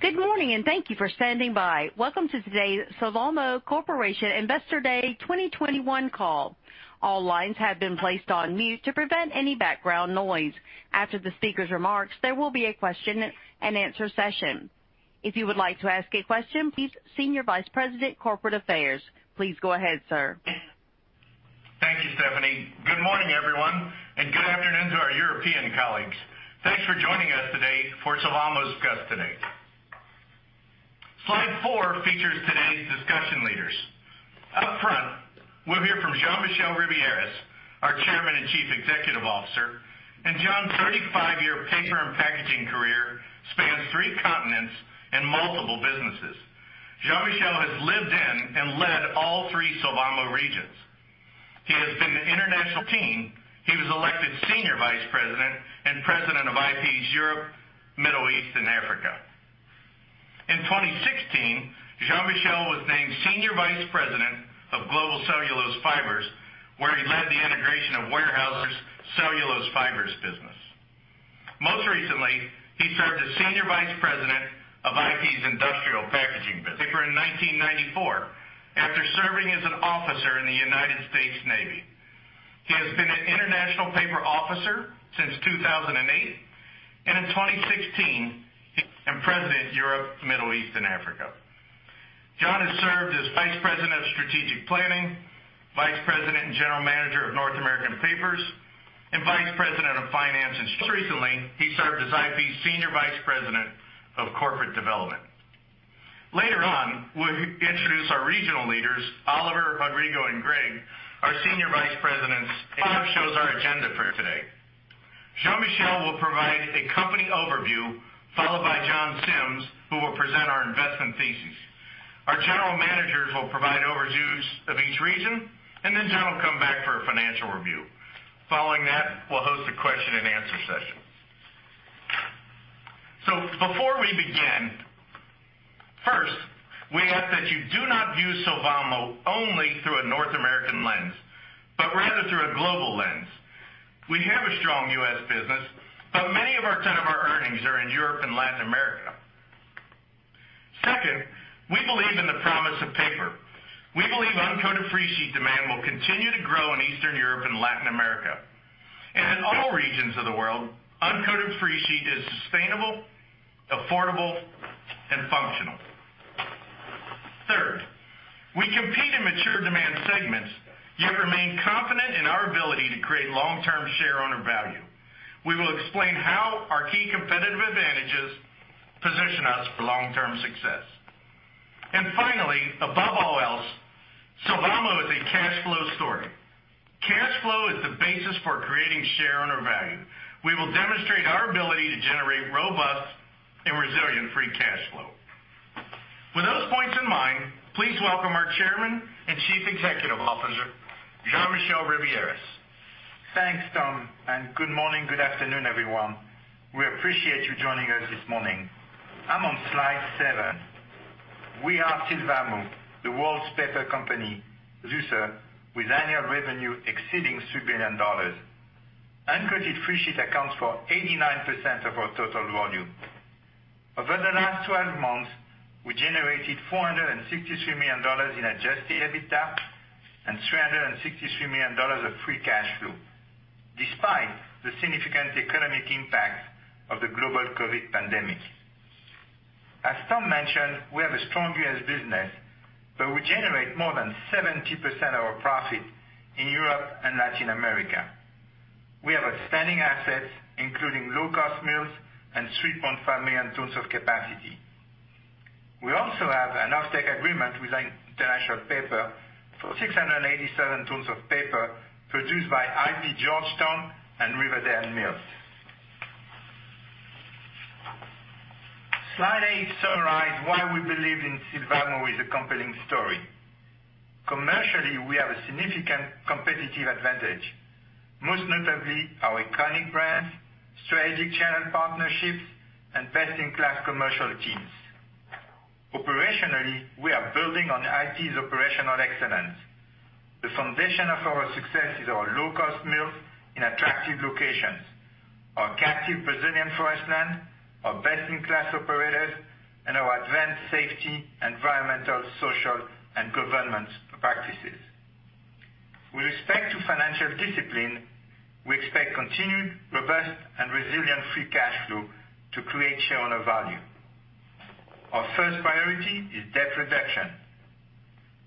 Good morning, and thank you for standing by. Welcome to today's Sylvamo Corporation Investor Day 2021 call. All lines have been placed on mute to prevent any background noise. After the speaker's remarks, there will be a question-and-answer session. Senior Vice President, Corporate Affairs. Please go ahead, sir. Thank you, Stephanie. Good morning, everyone, and good afternoon to our European colleagues. Thanks for joining us today for Sylvamo's Investor Day. Slide four features today's discussion leaders. Upfront, we'll hear from Jean-Michel Ribieras, our Chairman and Chief Executive Officer, and John's 35-year paper and packaging career spans three continents and multiple businesses. Jean-Michel has lived in and led all three Sylvamo regions. He has been the international team. He was elected Senior Vice President and President of IP's Europe, Middle East, and Africa. In 2016, Jean-Michel was named Senior Vice President of Global Cellulose Fibers, where he led the integration of Weyerhaeuser's Cellulose Fibers business. Most recently, he served as Senior Vice President of IP's Industrial Packaging business. Paper in 1994, after serving as an officer in the United States Navy. He has been an International Paper Officer since 2008, and in 2016, and President, Europe, Middle East, and Africa. John has served as Vice President of Strategic Planning, Vice President and General Manager of North American Papers, and Vice President of Finance. Recently, he served as IP's Senior Vice President of Corporate Development. Later on, we'll introduce our regional leaders, Oliver, Rodrigo, and Greg, our Senior Vice Presidents. [inaudible] shows our agenda for today. Jean-Michel will provide a company overview, followed by John Sims, who will present our investment thesis. Our General Managers will provide overviews of each region, and then John will come back for a financial review. Following that, we'll host a question-and-answer session. Before we begin, first, we ask that you do not view Sylvamo only through a North American lens, but rather through a global lens. We have a strong U.S. business, but many of our ton of our earnings are in Europe and Latin America. Second, we believe in the promise of paper. We believe uncoated free sheet demand will continue to grow in Eastern Europe and Latin America. In all regions of the world, uncoated free sheet is sustainable, affordable, and functional. Third, we compete in mature demand segments, yet remain confident in our ability to create long-term shareowner value. We will explain how our key competitive advantages position us for long-term success. Finally, above all else, Sylvamo is a cash flow story. Cash flow is the basis for creating shareowner value. We will demonstrate our ability to generate robust and resilient free cash flow. With those points in mind, please welcome our Chairman and Chief Executive Officer, Jean-Michel Ribieras. Thanks, Tom. Good morning, good afternoon, everyone. We appreciate you joining us this morning. I'm on slide seven. We are Sylvamo, the world's paper company, Zuber, with annual revenue exceeding $3 billion. Uncoated free sheet accounts for 89% of our total volume. Over the last 12 months, we generated $463 million in adjusted EBITDA and $363 million of free cash flow, despite the significant economic impact of the global COVID pandemic. As Tom mentioned, we have a strong U.S. business, but we generate more than 70% of our profit in Europe and Latin America. We have outstanding assets, including low-cost mills and 3.5 million tons of capacity. We also have an offtake agreement with International Paper for 687 tons of paper produced by IP Georgetown and Riverdale Mills. Slide eight summarize why we believe in Sylvamo is a compelling story. Commercially, we have a significant competitive advantage, most notably our iconic brands, strategic channel partnerships, and best-in-class commercial teams. Operationally, we are building on IP's operational excellence. The foundation of our success is our low-cost mills in attractive locations, our captive Brazilian forest land, our best-in-class operators, and our advanced safety, environmental, social, and governance practices. With respect to financial discipline, we expect continued, robust, and resilient free cash flow to create shareowner value. Our first priority is debt reduction.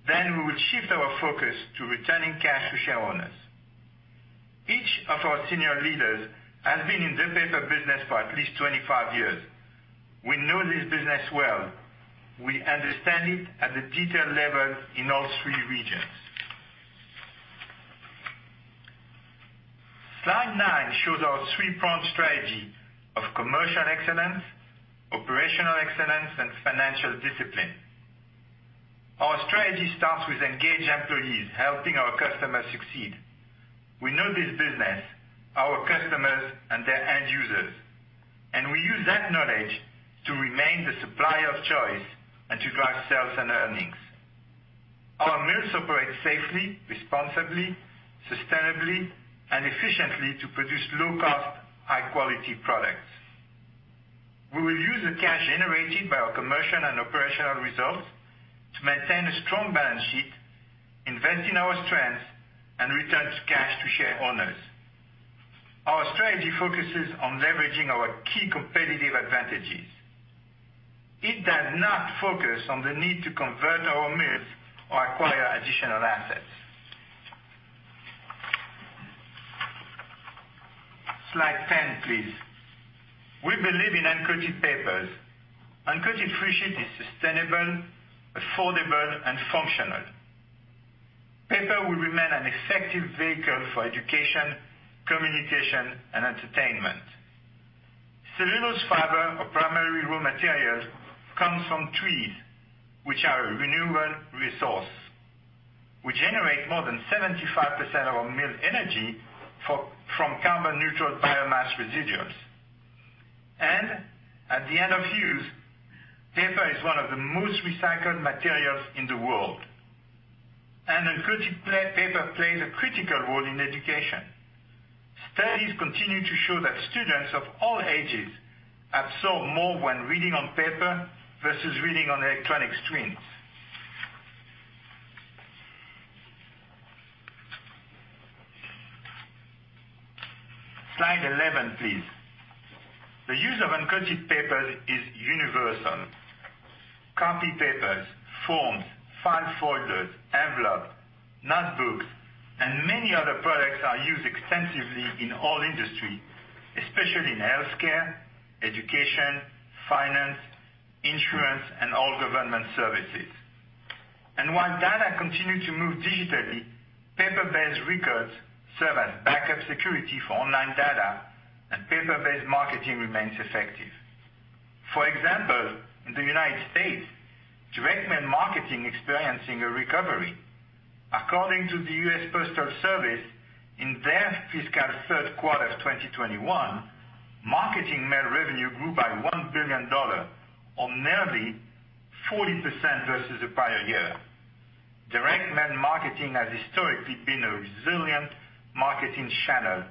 We will shift our focus to returning cash to shareowners. Each of our senior leaders has been in the paper business for at least 25 years. We know this business well. We understand it at the detail level in all three regions. Slide nine shows our three-pronged strategy of commercial excellence, operational excellence, and financial discipline. Our strategy starts with engaged employees helping our customers succeed. We know this business, our customers, and their end users. We use that knowledge to remain the supplier of choice and to drive sales and earnings. Our mills operate safely, responsibly, sustainably, and efficiently to produce low-cost, high-quality products. We will use the cash generated by our commercial and operational results to maintain a strong balance sheet, invest in our strengths and return cash to share owners. Our strategy focuses on leveraging our key competitive advantages. It does not focus on the need to convert our mills or acquire additional assets. Slide 10, please. We believe in uncoated papers. Uncoated free sheet is sustainable, affordable, and functional. Paper will remain an effective vehicle for education, communication, and entertainment. Cellulose fiber or primary raw materials comes from trees, which are a renewable resource. We generate more than 75% of our mill energy from carbon neutral biomass residuals. At the end of use, paper is one of the most recycled materials in the world. Uncoated paper plays a critical role in education. Studies continue to show that students of all ages absorb more when reading on paper versus reading on electronic screens. Slide 11, please. The use of uncoated papers is universal. Copy papers, forms, file folders, envelopes, notebooks, and many other products are used extensively in all industry, especially in healthcare, education, finance, insurance, and all government services. While data continue to move digitally, paper-based records serve as backup security for online data, and paper-based marketing remains effective. For example, in the United States, direct mail marketing experiencing a recovery. According to the United States Postal Service, in their fiscal third quarter of 2021, marketing mail revenue grew by $1 billion, or nearly 40% versus the prior year. Direct mail marketing has historically been a resilient marketing channel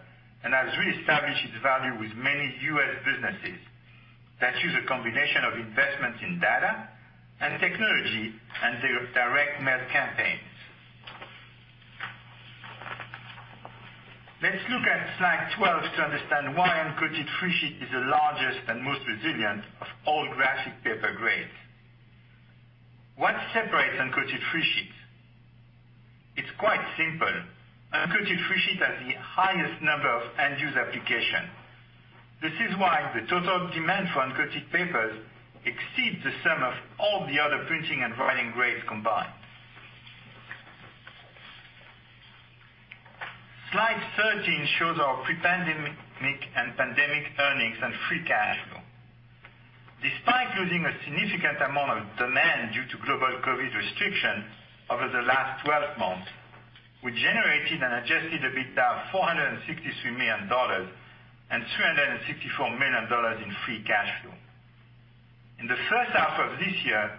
and has reestablished its value with many U.S. businesses that use a combination of investments in data and technology in their direct mail campaigns. Let's look at slide 12 to understand why uncoated free sheet is the largest and most resilient of all graphic paper grades. What separates uncoated free sheets? It's quite simple. Uncoated free sheet has the highest number of end-user application. This is why the total demand for uncoated papers exceeds the sum of all the other printing and writing grades combined. Slide 13 shows our pre-pandemic and pandemic earnings and free cash flow. Despite losing a significant amount of demand due to global COVID restrictions over the last 12 months, we generated an adjusted EBITDA of $463 million and $364 million in free cash flow. In the first half of this year,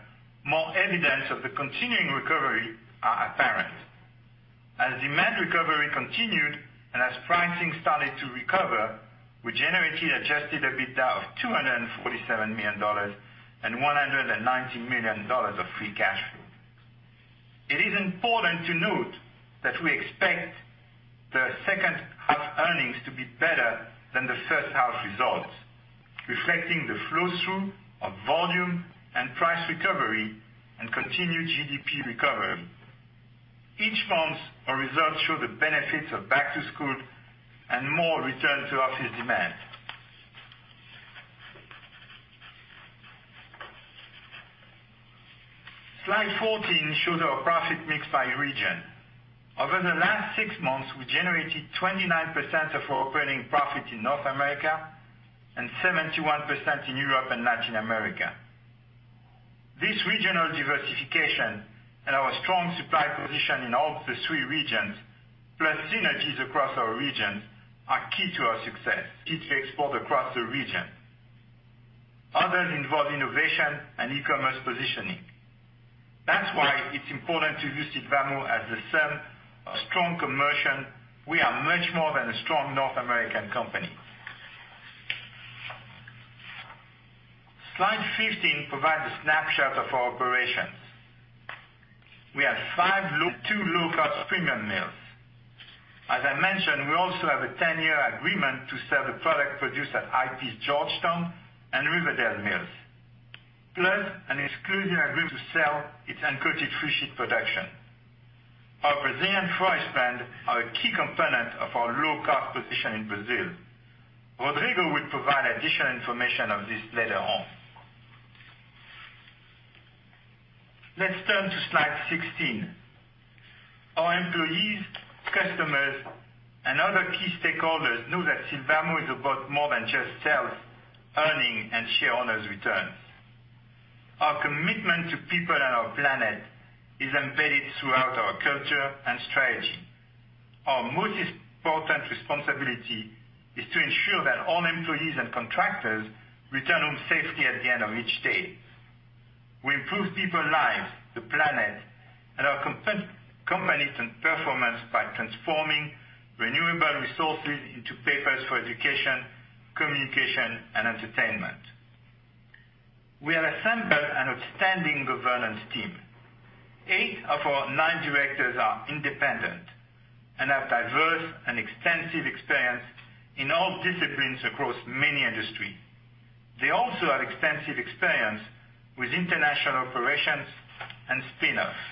more evidence of the continuing recovery are apparent. Demand recovery continued and as pricing started to recover, we generated adjusted EBITDA of $247 million and $190 million of free cash flow. It is important to note that we expect the second half earnings to be better than the first half results, reflecting the flow-through of volume and price recovery and continued GDP recovery. Each month, our results show the benefits of back to school and more return to office demand. Slide 14 shows our profit mix by region. Over the last six months, we generated 29% of our operating profit in North America and 71% in Europe and Latin America. This regional diversification and our strong supply position in all the three regions, plus synergies across our regions, are key to our success. Key to export across the region. Others involve innovation and e-commerce positioning. That's why it's important to view Sylvamo as the sum of strong commercial. We are much more than a strong North American company. Slide 15 provides a snapshot of our operations. We have two low-cost premium mills. As I mentioned, we also have a 10-year agreement to sell the product produced at IP Georgetown and Riverdale mills. An exclusive agreement to sell its uncoated free sheet production. Our Brazilian forest land are a key component of our low-cost position in Brazil. Rodrigo will provide additional information of this later on. Let's turn to slide 16. Our employees, customers, and other key stakeholders know that Sylvamo is about more than just sales, earnings, and shareowners returns. Our commitment to people and our planet is embedded throughout Strategy. Our most important responsibility is to ensure that all employees and contractors return home safely at the end of each day. We improve people lives, the planet, and our company performance by transforming renewable resources into papers for education, communication, and entertainment. We have assembled an outstanding governance team. Eight of our nine directors are independent and have diverse and extensive experience in all disciplines across many industry. They also have extensive experience with international operations and spin-offs.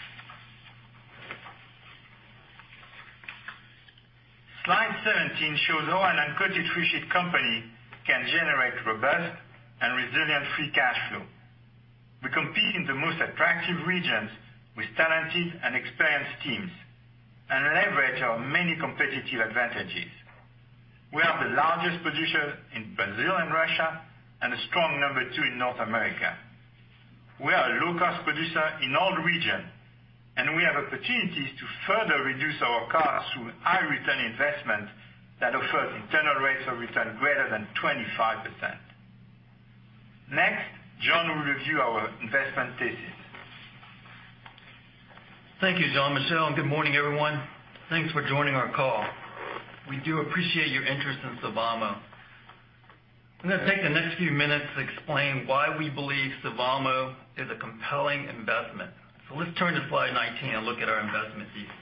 Slide 17 shows how an uncoated free sheet company can generate robust and resilient free cash flow. We compete in the most attractive regions with talented and experienced teams and leverage our many competitive advantages. We are the largest producer in Brazil and Russia, and a strong number two in North America. We are a low-cost producer in all region. We have opportunities to further reduce our costs through high return investment that offers internal rates of return greater than 25%. Next, John will review our investment thesis. Thank you, Jean-Michel. Good morning, everyone. Thanks for joining our call. We do appreciate your interest in Sylvamo. I'm going to take the next few minutes to explain why we believe Sylvamo is a compelling investment. Let's turn to slide 19 and look at our investment thesis.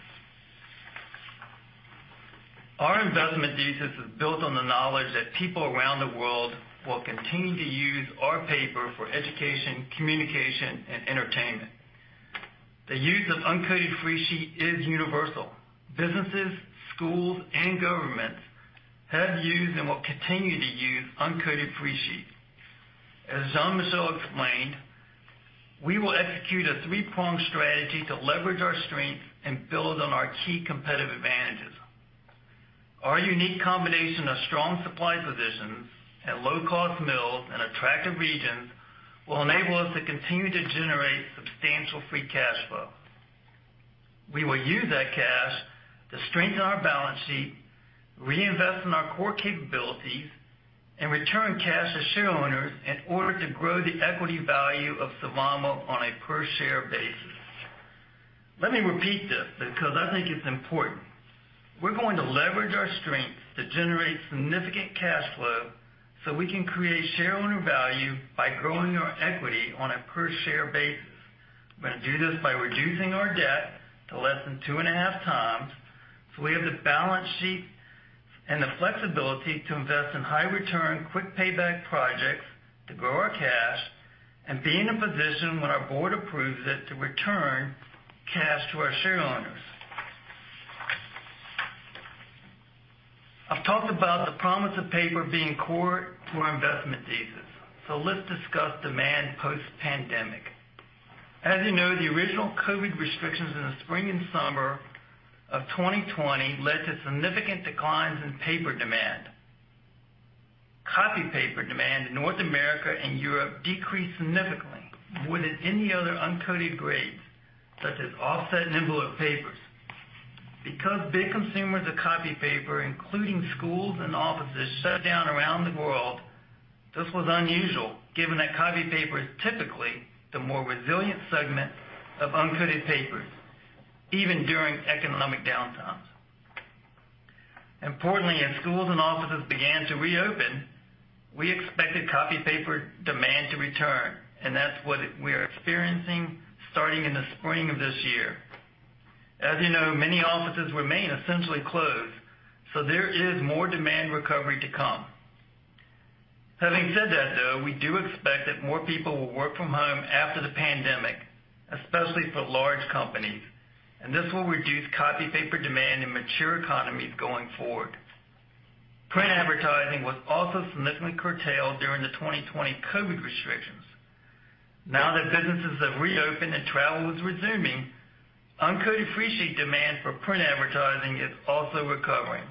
Our investment thesis is built on the knowledge that people around the world will continue to use our paper for education, communication, and entertainment. The use of uncoated free sheet is universal. Businesses, schools, and governments have used and will continue to use uncoated free sheet. As Jean-Michel explained, we will execute a three-pronged strategy to leverage our strengths and build on our key competitive advantages. Our unique combination of strong supply positions and low-cost mills in attractive regions will enable us to continue to generate substantial free cash flow. We will use that cash to strengthen our balance sheet, reinvest in our core capabilities, and return cash to shareholders in order to grow the equity value of Sylvamo on a per-share basis. Let me repeat this because I think it's important. We're going to leverage our strengths to generate significant cash flow, so we can create shareholder value by growing our equity on a per-share basis. We're going to do this by reducing our debt to less than 2.5x, so we have the balance sheet and the flexibility to invest in high return, quick payback projects to grow our cash, and be in a position when our board approves it to return cash to our shareholders. I've talked about the promise of paper being core to our investment thesis. Let's discuss demand post-pandemic. As you know, the original COVID restrictions in the spring and summer of 2020 led to significant declines in paper demand. Copy paper demand in North America and Europe decreased significantly more than any other uncoated grades, such as offset and envelope papers. Because big consumers of copy paper, including schools and offices, shut down around the world, this was unusual given that copy paper is typically the more resilient segment of uncoated papers, even during economic downturns. Importantly, as schools and offices began to reopen, we expected copy paper demand to return, and that's what we are experiencing starting in the spring of this year. As you know, many offices remain essentially closed, there is more demand recovery to come. Having said that, though, we do expect that more people will work from home after the pandemic, especially for large companies, and this will reduce copy paper demand in mature economies going forward. Print advertising was also significantly curtailed during the 2020 COVID restrictions. Now that businesses have reopened and travel is resuming, uncoated free sheet demand for print advertising is also recovering.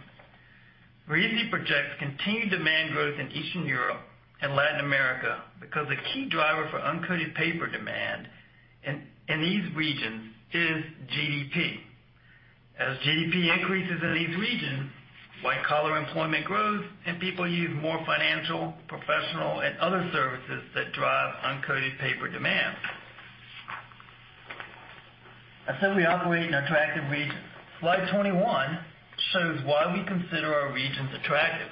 We easily project continued demand growth in Eastern Europe and Latin America because a key driver for uncoated paper demand in these regions is GDP. As GDP increases in these regions, white collar employment grows and people use more financial, professional, and other services that drive uncoated paper demand. I said we operate in attractive regions. Slide 21 shows why we consider our regions attractive.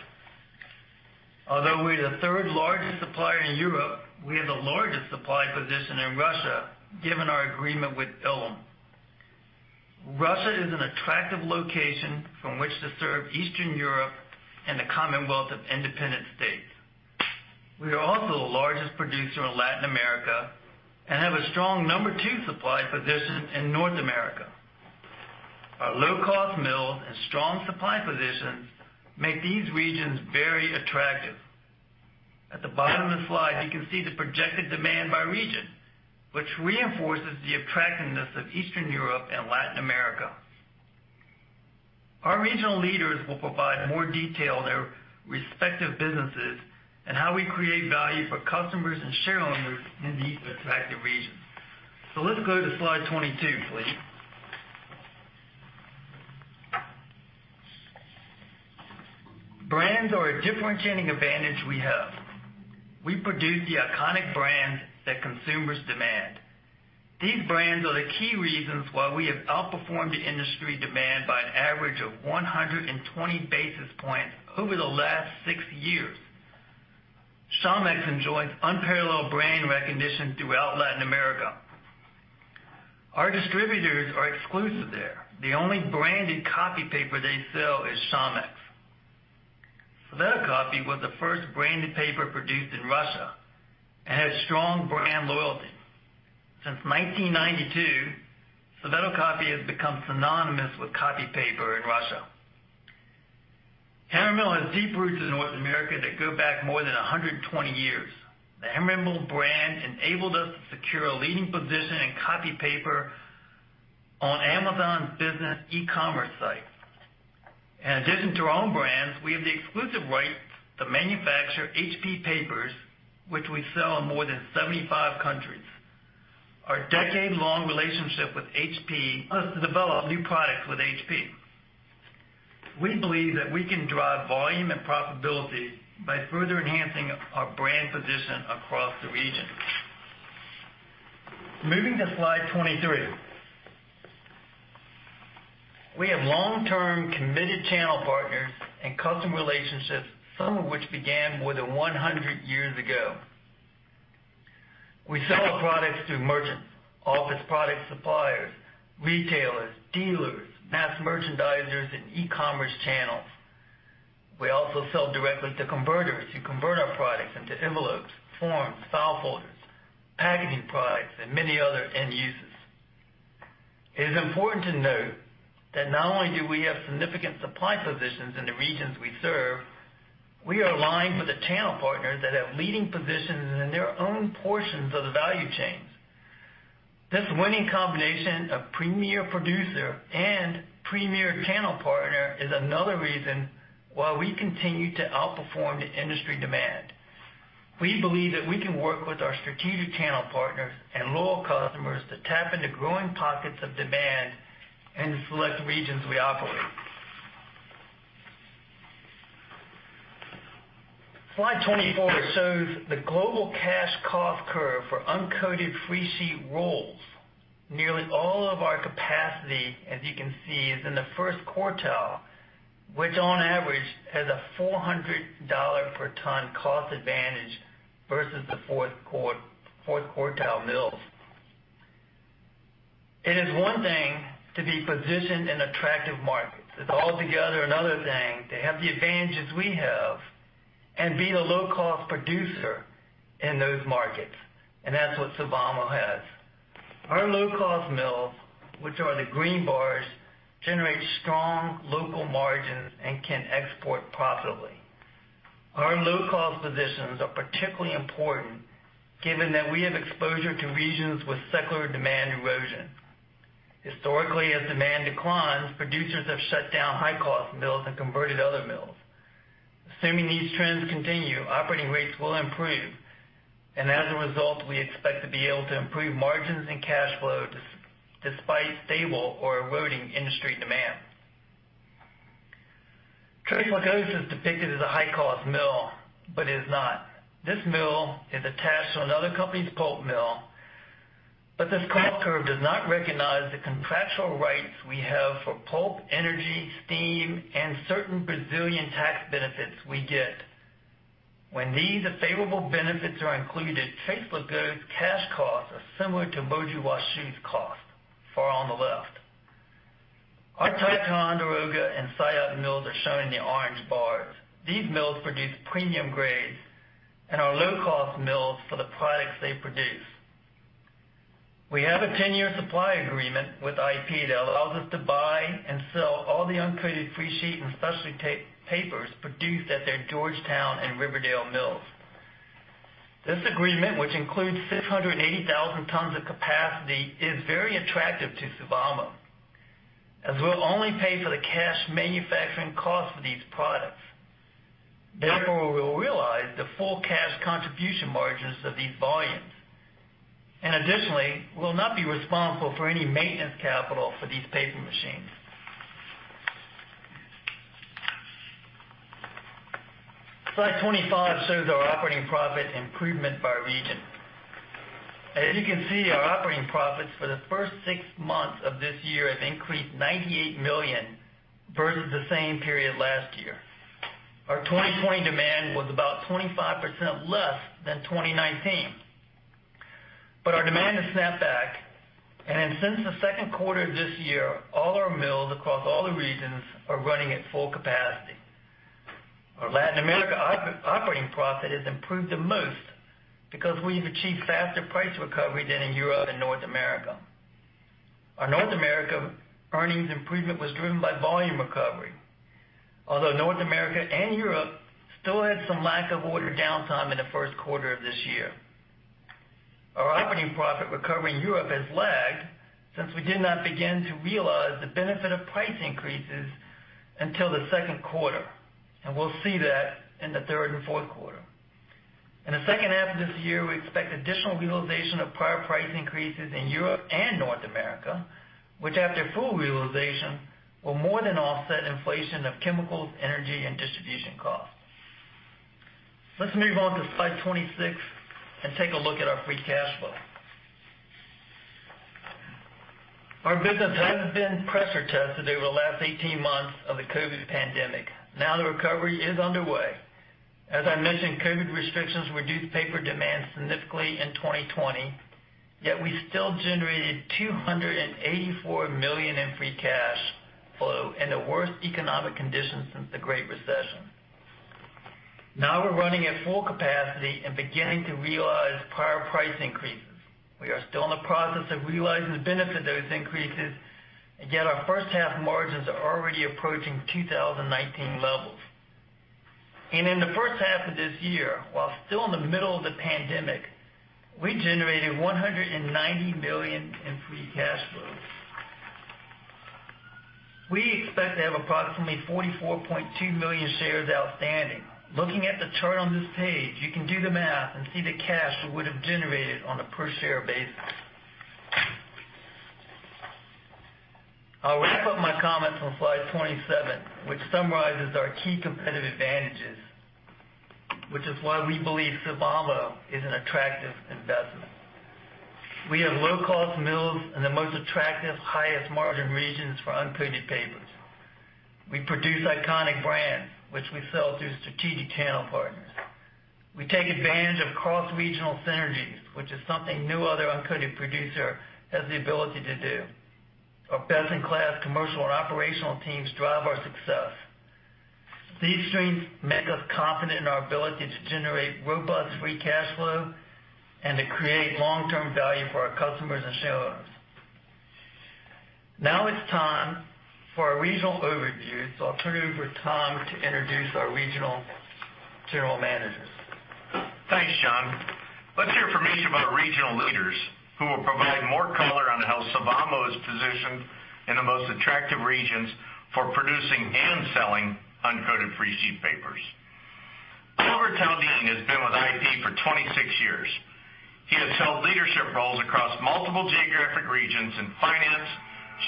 Although we are the third largest supplier in Europe, we have the largest supply position in Russia, given our agreement with Ilim. Russia is an attractive location from which to serve Eastern Europe and the Commonwealth of Independent States. We are also the largest producer in Latin America and have a strong number two supply position in North America. Our low-cost mills and strong supply positions make these regions very attractive. At the bottom of the slide, you can see the projected demand by region, which reinforces the attractiveness of Eastern Europe and Latin America. Our regional leaders will provide more detail on their respective businesses and how we create value for customers and shareowners in these attractive regions. Let's go to slide 22, please. Brands are a differentiating advantage we have. We produce the iconic brands that consumers demand. These brands are the key reasons why we have outperformed the industry demand by an average of 120 basis points over the last six years. Chamex enjoys unparalleled brand recognition throughout Latin America. Our distributors are exclusive there. The only branded copy paper they sell is Chamex. SvetoCopy was the first branded paper produced in Russia and has strong brand loyalty. Since 1992, SvetoCopy has become synonymous with copy paper in Russia. Hammermill has deep roots in North America that go back more than 120 years. The Hammermill brand enabled us to secure a leading position in copy paper on Amazon's business e-commerce site. In addition to our own brands, we have the exclusive rights to manufacture HP Papers, which we sell in more than 75 countries. Our decade-long relationship with HP allows us to develop new products with HP. We believe that we can drive volume and profitability by further enhancing our brand position across the region. Moving to slide 23. We have long-term, committed channel partners and customer relationships, some of which began more than 100 years ago. We sell our products through merchants, office product suppliers, retailers, dealers, mass merchandisers, and e-commerce channels. We also sell directly to converters who convert our products into envelopes, forms, file folders, packaging products, and many other end uses. It is important to note that not only do we have significant supply positions in the regions we serve, we are aligned with the channel partners that have leading positions in their own portions of the value chains. This winning combination of premier producer and premier channel partner is another reason why we continue to outperform the industry demand. We believe that we can work with our strategic channel partners and loyal customers to tap into growing pockets of demand in the select regions we operate. Slide 24 shows the global cash cost curve for uncoated free sheet rolls. Nearly all of our capacity, as you can see, is in the first quartile, which on average has a $400 per ton cost advantage versus the fourth quartile mills. It is one thing to be positioned in attractive markets. It's altogether another thing to have the advantages we have and be the low-cost producer in those markets, and that's what Sylvamo has. Our low-cost mills, which are the green bars, generate strong local margins and can export profitably. Our low-cost positions are particularly important given that we have exposure to regions with secular demand erosion. Historically, as demand declines, producers have shut down high-cost mills and converted other mills. Assuming these trends continue, operating rates will improve, and as a result, we expect to be able to improve margins and cash flow despite stable or eroding industry demand. Três Lagoas is depicted as a high-cost mill, but is not. This mill is attached to another company's pulp mill, but this cost curve does not recognize the contractual rights we have for pulp energy, steam, and certain Brazilian tax benefits we get. When these favorable benefits are included, Três Lagoas cash costs are similar to Mogi Guaçu's cost, far on the left. Our Ticonderoga and Saillat mills are shown in the orange bars. These mills produce premium grades and are low-cost mills for the products they produce. We have a 10-year supply agreement with IP that allows us to buy and sell all the uncoated free sheet and specialty papers produced at their Georgetown and Riverdale mills. This agreement, which includes 680,000 tons of capacity, is very attractive to Sylvamo, as we'll only pay for the cash manufacturing cost for these products. Therefore, we will realize the full cash contribution margins of these volumes. Additionally, we'll not be responsible for any maintenance capital for these paper machines. Slide 25 shows our operating profit improvement by region. As you can see, our operating profits for the first six months of this year have increased $98 million versus the same period last year. Our 2020 demand was about 25% less than 2019. Our demand has snapped back, and since the second quarter of this year, all our mills across all the regions are running at full capacity. Our Latin America operating profit has improved the most because we've achieved faster price recovery than in Europe and North America. Our North America earnings improvement was driven by volume recovery. North America and Europe still had some lack of order downtime in the first quarter of this year. Our operating profit recovery in Europe has lagged since we did not begin to realize the benefit of price increases until the second quarter, and we'll see that in the third and fourth quarter. In the second half of this year, we expect additional realization of prior price increases in Europe and North America, which after full realization, will more than offset inflation of chemicals, energy, and distribution costs. Let's move on to slide 26 and take a look at our free cash flow. Our business has been pressure tested over the last 18 months of the COVID pandemic. The recovery is underway. As I mentioned, COVID restrictions reduced paper demand significantly in 2020, yet we still generated $284 million in free cash flow in the worst economic conditions since the Great Recession. Now we're running at full capacity and beginning to realize prior price increases. We are still in the process of realizing the benefit of those increases, yet our first half margins are already approaching 2019 levels. In the first half of this year, while still in the middle of the pandemic, we generated $190 million in free cash flows. We expect to have approximately 44.2 million shares outstanding. Looking at the chart on this page, you can do the math and see the cash we would have generated on a per-share basis. I'll wrap up my comments on slide 27, which summarizes our key competitive advantages, which is why we believe Sylvamo is an attractive investment. We have low-cost mills in the most attractive, highest margin regions for uncoated papers. We produce iconic brands, which we sell through strategic channel partners. We take advantage of cross-regional synergies, which is something no other uncoated producer has the ability to do. Our best-in-class commercial and operational teams drive our success. These strengths make us confident in our ability to generate robust free cash flow and to create long-term value for our customers and shareholders. Now it's time for a regional overview, so I'll turn it over to Tom to introduce our regional general managers. Thanks, John. Let's hear from each of our regional leaders, who will provide more color on how Sylvamo is positioned in the most attractive regions for producing and selling uncoated free sheet papers. Oliver Taudien has been with IP for 26 years. He has held leadership roles across multiple geographic regions in finance,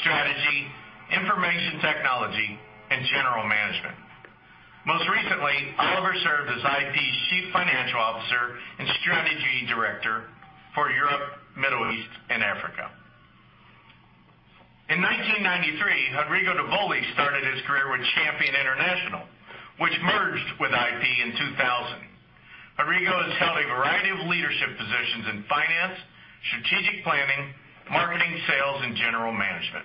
strategy, information technology, and general management. Most recently, Oliver served as IP's Chief Financial Officer and Strategy Director for Europe, Middle East, and Africa. In 1993, Rodrigo Davoli started his career with Champion International, which merged with IP in 2000. Rodrigo has held a variety of leadership positions in finance, strategic planning, marketing, sales, and general management.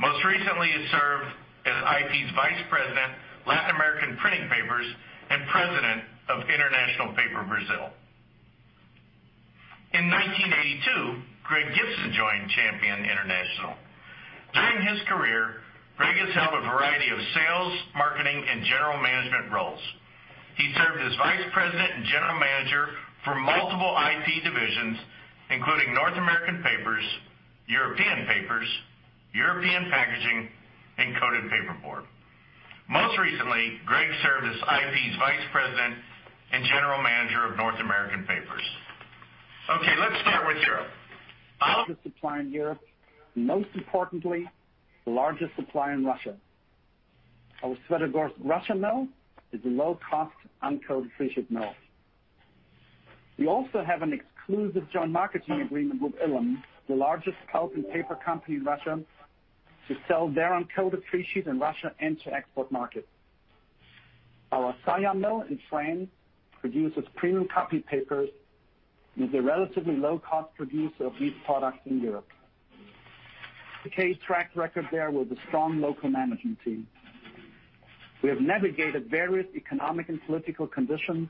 Most recently, he served as IP's Vice President, Latin American Printing Papers, and President of International Paper, Brazil. In 1982, Greg Gibson joined Champion International. During his career, Greg has held a variety of sales, marketing, and general management roles. He served as vice president and general manager for multiple IP divisions, including North American Papers, European Papers, European Packaging, and Coated Paperboard. Most recently, Greg served as IP's Vice President and General Manager of North American Papers. Okay, let's start with Europe. Oliver? The supply in Europe, most importantly, the largest supply in Russia. Our Svetogorsk, Russia mill is a low-cost uncoated free sheet mill. We also have an exclusive joint marketing agreement with Ilim, the largest pulp and paper company in Russia, to sell their uncoated free sheet in Russia and to export markets. Our Saillat mill in France produces premium copy paper, and is a relatively low-cost producer of these products in Europe. Decades track record there with a strong local management team. We have navigated various economic and political conditions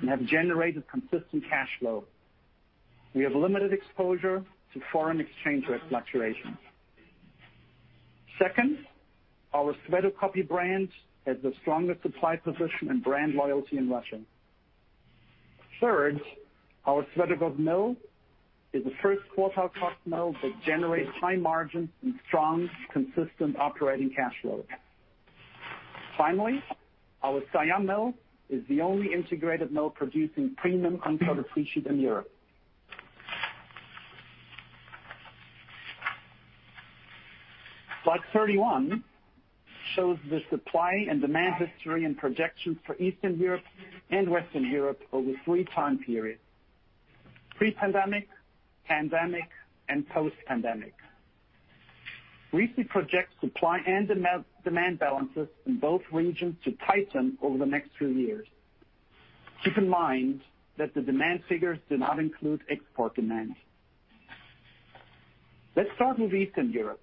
and have generated consistent cash flow. We have limited exposure to foreign exchange rate fluctuations. Second, our SvetoCopy brand has the strongest supply position and brand loyalty in Russia. Third, our Svetogorsk mill is a first quartile cost mill that generates high margins and strong, consistent operating cash flow. Finally, our Saillat mill is the only integrated mill producing premium uncoated free sheet in Europe. Slide 31 shows the supply and demand history and projections for Eastern Europe and Western Europe over three time periods: pre-pandemic, pandemic, and post-pandemic. We recently project supply and demand balances in both regions to tighten over the next few years. Keep in mind that the demand figures do not include export demand. Let's start with Eastern Europe,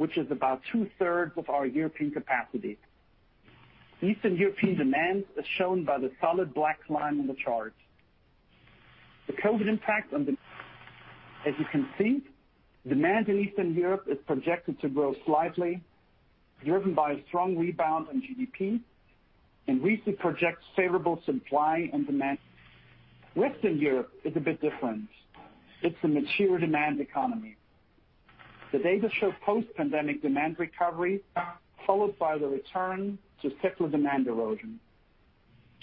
which is about two-thirds of our European capacity. Eastern European demand is shown by the solid black line on the chart. As you can see, demand in Eastern Europe is projected to grow slightly, driven by a strong rebound in GDP. Recently projects favorable supply and demand. Western Europe is a bit different. It's a mature demand economy. The data show post-pandemic demand recovery, followed by the return to secular demand erosion.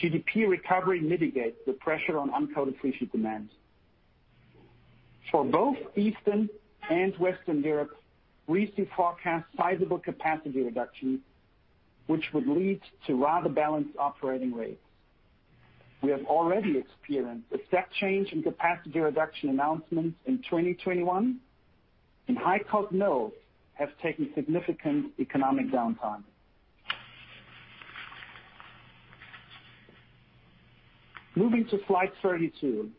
GDP recovery mitigates the pressure on uncoated free sheet demand. For both Eastern and Western Europe, recent forecasts sizable capacity reduction, which would lead to rather balanced operating rates. We have already experienced a step change in capacity reduction announcements in 2021, and high-cost mills have taken significant economic downtime. Moving to slide 32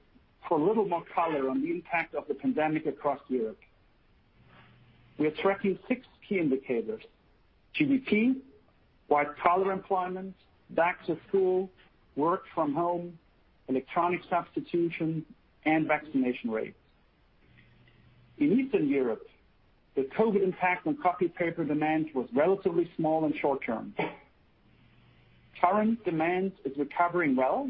for a little more color on the impact of the pandemic across Europe. We are tracking six key indicators. GDP, white-collar employment, back to school, work from home, electronic substitution, and vaccination rates. In Eastern Europe, the COVID impact on copy paper demand was relatively small and short-term. Current demand is recovering well,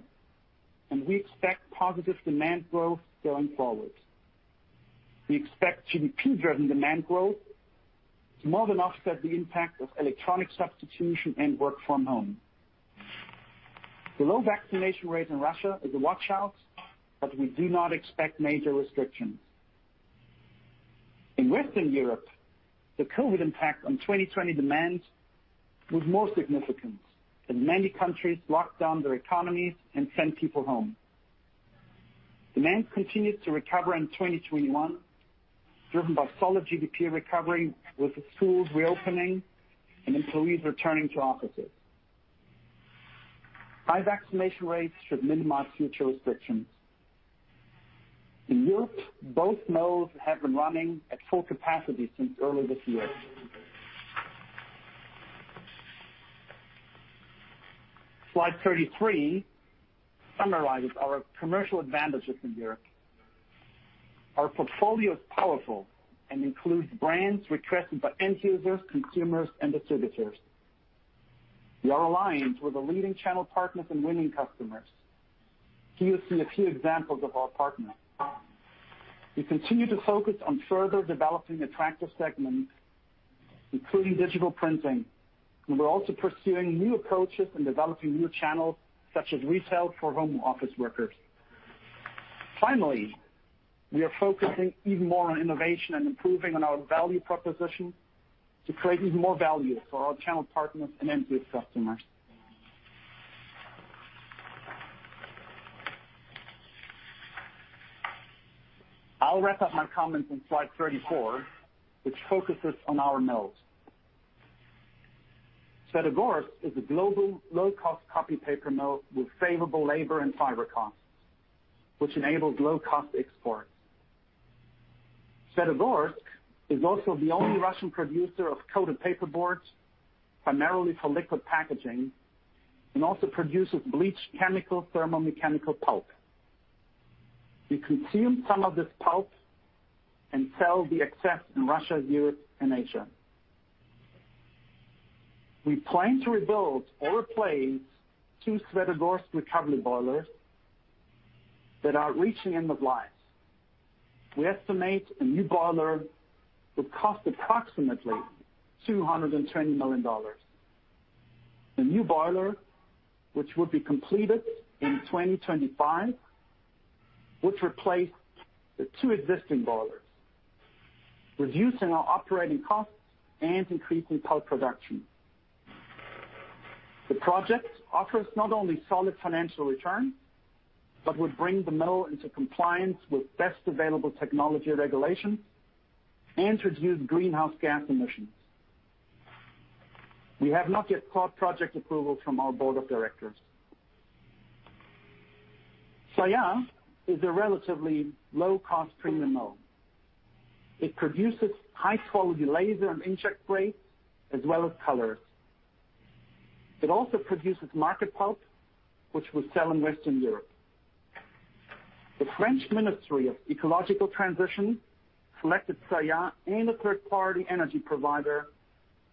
and we expect positive demand growth going forward. We expect GDP-driven demand growth to more than offset the impact of electronic substitution and work from home. The low vaccination rate in Russia is a watch-out, but we do not expect major restrictions. In Western Europe, the COVID impact on 2020 demand was more significant, as many countries locked down their economies and sent people home. Demand continued to recover in 2021, driven by solid GDP recovery with the schools reopening and employees returning to offices. High vaccination rates should minimize future restrictions. In Europe, both mills have been running at full capacity since early this year. Slide 33 summarizes our commercial advantages in Europe. Our portfolio is powerful and includes brands requested by end users, consumers, and distributors. We are aligned with the leading channel partners and winning customers. Here you see a few examples of our partners. We continue to focus on further developing attractive segments, including digital printing. We're also pursuing new approaches and developing new channels, such as retail for home office workers. Finally, we are focusing even more on innovation and improving on our value proposition to create even more value for our channel partners and end-use customers. I'll wrap up my comments on slide 34, which focuses on our mills. Svetogorsk is a global low-cost copy paper mill with favorable labor and fiber costs, which enables low-cost exports. Svetogorsk is also the only Russian producer of coated paperboard, primarily for liquid packaging, and also produces bleached chemi-thermomechanical pulp. We consume some of this pulp and sell the excess in Russia, Europe, and Asia. We plan to rebuild or replace two Svetogorsk recovery boilers that are reaching end of life. We estimate a new boiler would cost approximately $220 million. The new boiler, which would be completed in 2025, would replace the two existing boilers, reducing our operating costs and increasing pulp production. The project offers not only solid financial return, but would bring the mill into compliance with best available technology regulation and reduce greenhouse gas emissions. We have not yet sought project approval from our board of directors. Saillat is a relatively low-cost premium mill. It produces high-quality laser and inkjet grades, as well as colors. It also produces market pulp, which we sell in Western Europe. The French Ministry of Ecological Transition selected Saillat and a third-party energy provider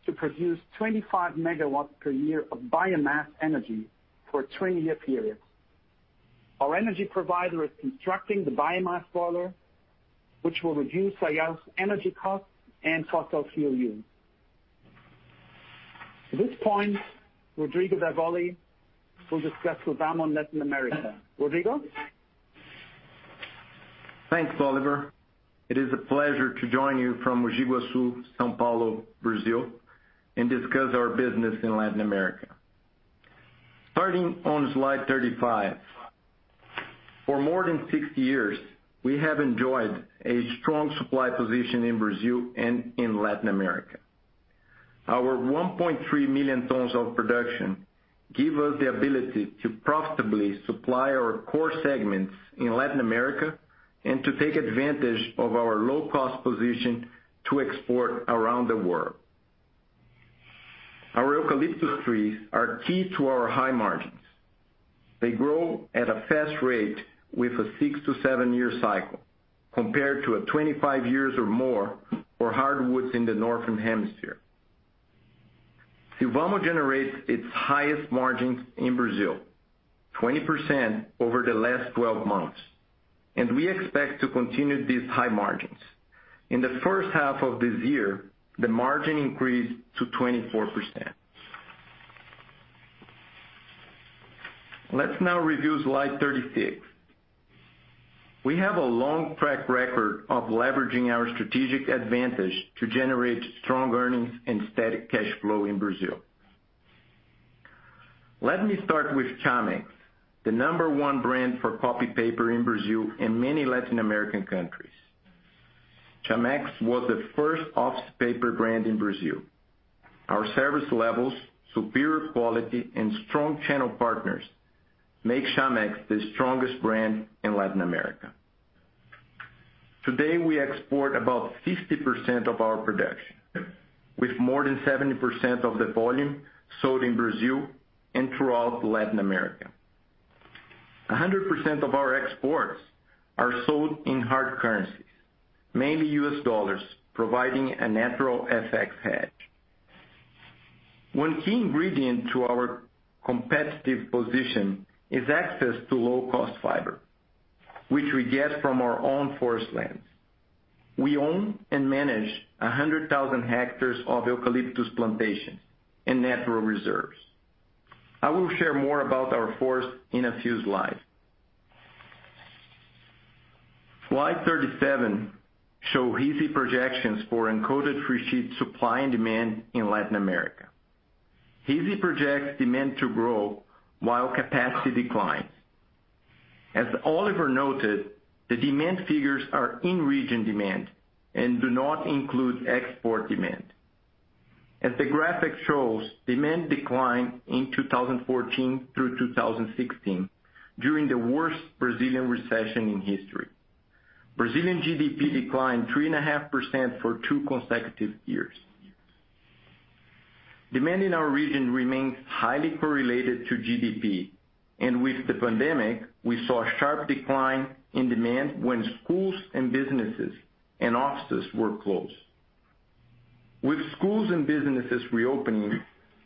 to produce 25 MW per year of biomass energy for a 20-year period. Our energy provider is constructing the biomass boiler, which will reduce Saillat energy costs and fossil fuel use. At this point, Rodrigo Davoli will discuss Sylvamo Latin America. Rodrigo? Thanks, Oliver. It is a pleasure to join you from Mogi Guaçu, São Paulo, Brazil, and discuss our business in Latin America. Starting on slide 35. For more than 60 years, we have enjoyed a strong supply position in Brazil and in Latin America. Our 1.3 million tons of production give us the ability to profitably supply our core segments in Latin America and to take advantage of our low-cost position to export around the world. Our eucalyptus trees are key to our high margins. They grow at a fast rate with a six to seven-year cycle, compared to 25 years or more for hardwoods in the Northern Hemisphere. Sylvamo generates its highest margins in Brazil, 20% over the last 12 months, and we expect to continue these high margins. In the first half of this year, the margin increased to 24%. Let's now review slide 36. We have a long track record of leveraging our strategic advantage to generate strong earnings and steady cash flow in Brazil. Let me start with Chamex, the number one brand for copy paper in Brazil and many Latin American countries. Chamex was the first office paper brand in Brazil. Our service levels, superior quality, and strong channel partners make Chamex the strongest brand in Latin America. Today, we export about 50% of our production, with more than 70% of the volume sold in Brazil and throughout Latin America. 100% of our exports are sold in hard currencies, mainly US dollars, providing a natural FX hedge. One key ingredient to our competitive position is access to low-cost fiber, which we get from our own forest lands. We own and manage 100,000 hectares of eucalyptus plantations and natural reserves. I will share more about our forests in a few slides. Slide 37 show RISI projections for uncoated free sheet supply and demand in Latin America. RISI projects demand to grow while capacity declines. As Oliver noted, the demand figures are in-region demand and do not include export demand. As the graphic shows, demand declined in 2014 through 2016 during the worst Brazilian recession in history. Brazilian GDP declined 3.5% for two consecutive years. Demand in our region remains highly correlated to GDP, and with the pandemic, we saw a sharp decline in demand when schools and businesses and offices were closed. With schools and businesses reopening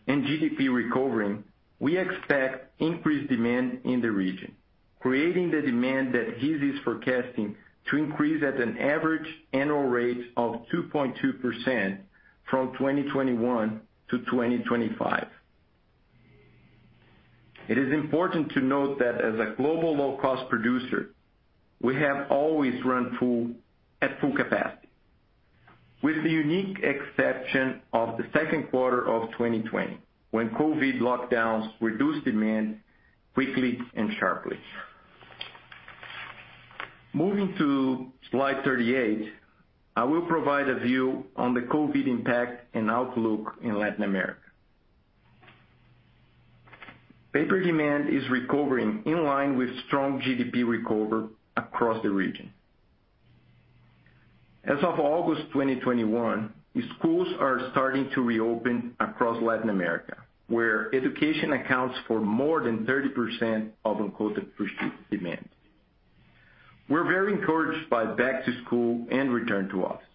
and GDP recovering, we expect increased demand in the region, creating the demand that RISI's forecasting to increase at an average annual rate of 2.2% from 2021 to 2025. It is important to note that as a global low-cost producer, we have always run at full capacity, with the unique exception of the second quarter of 2020, when COVID lockdowns reduced demand quickly and sharply. Moving to slide 38, I will provide a view on the COVID impact and outlook in Latin America. Paper demand is recovering in line with strong GDP recovery across the region. As of August 2021, schools are starting to reopen across Latin America, where education accounts for more than 30% of uncoated free sheet demand. We're very encouraged by back to school and return to offices.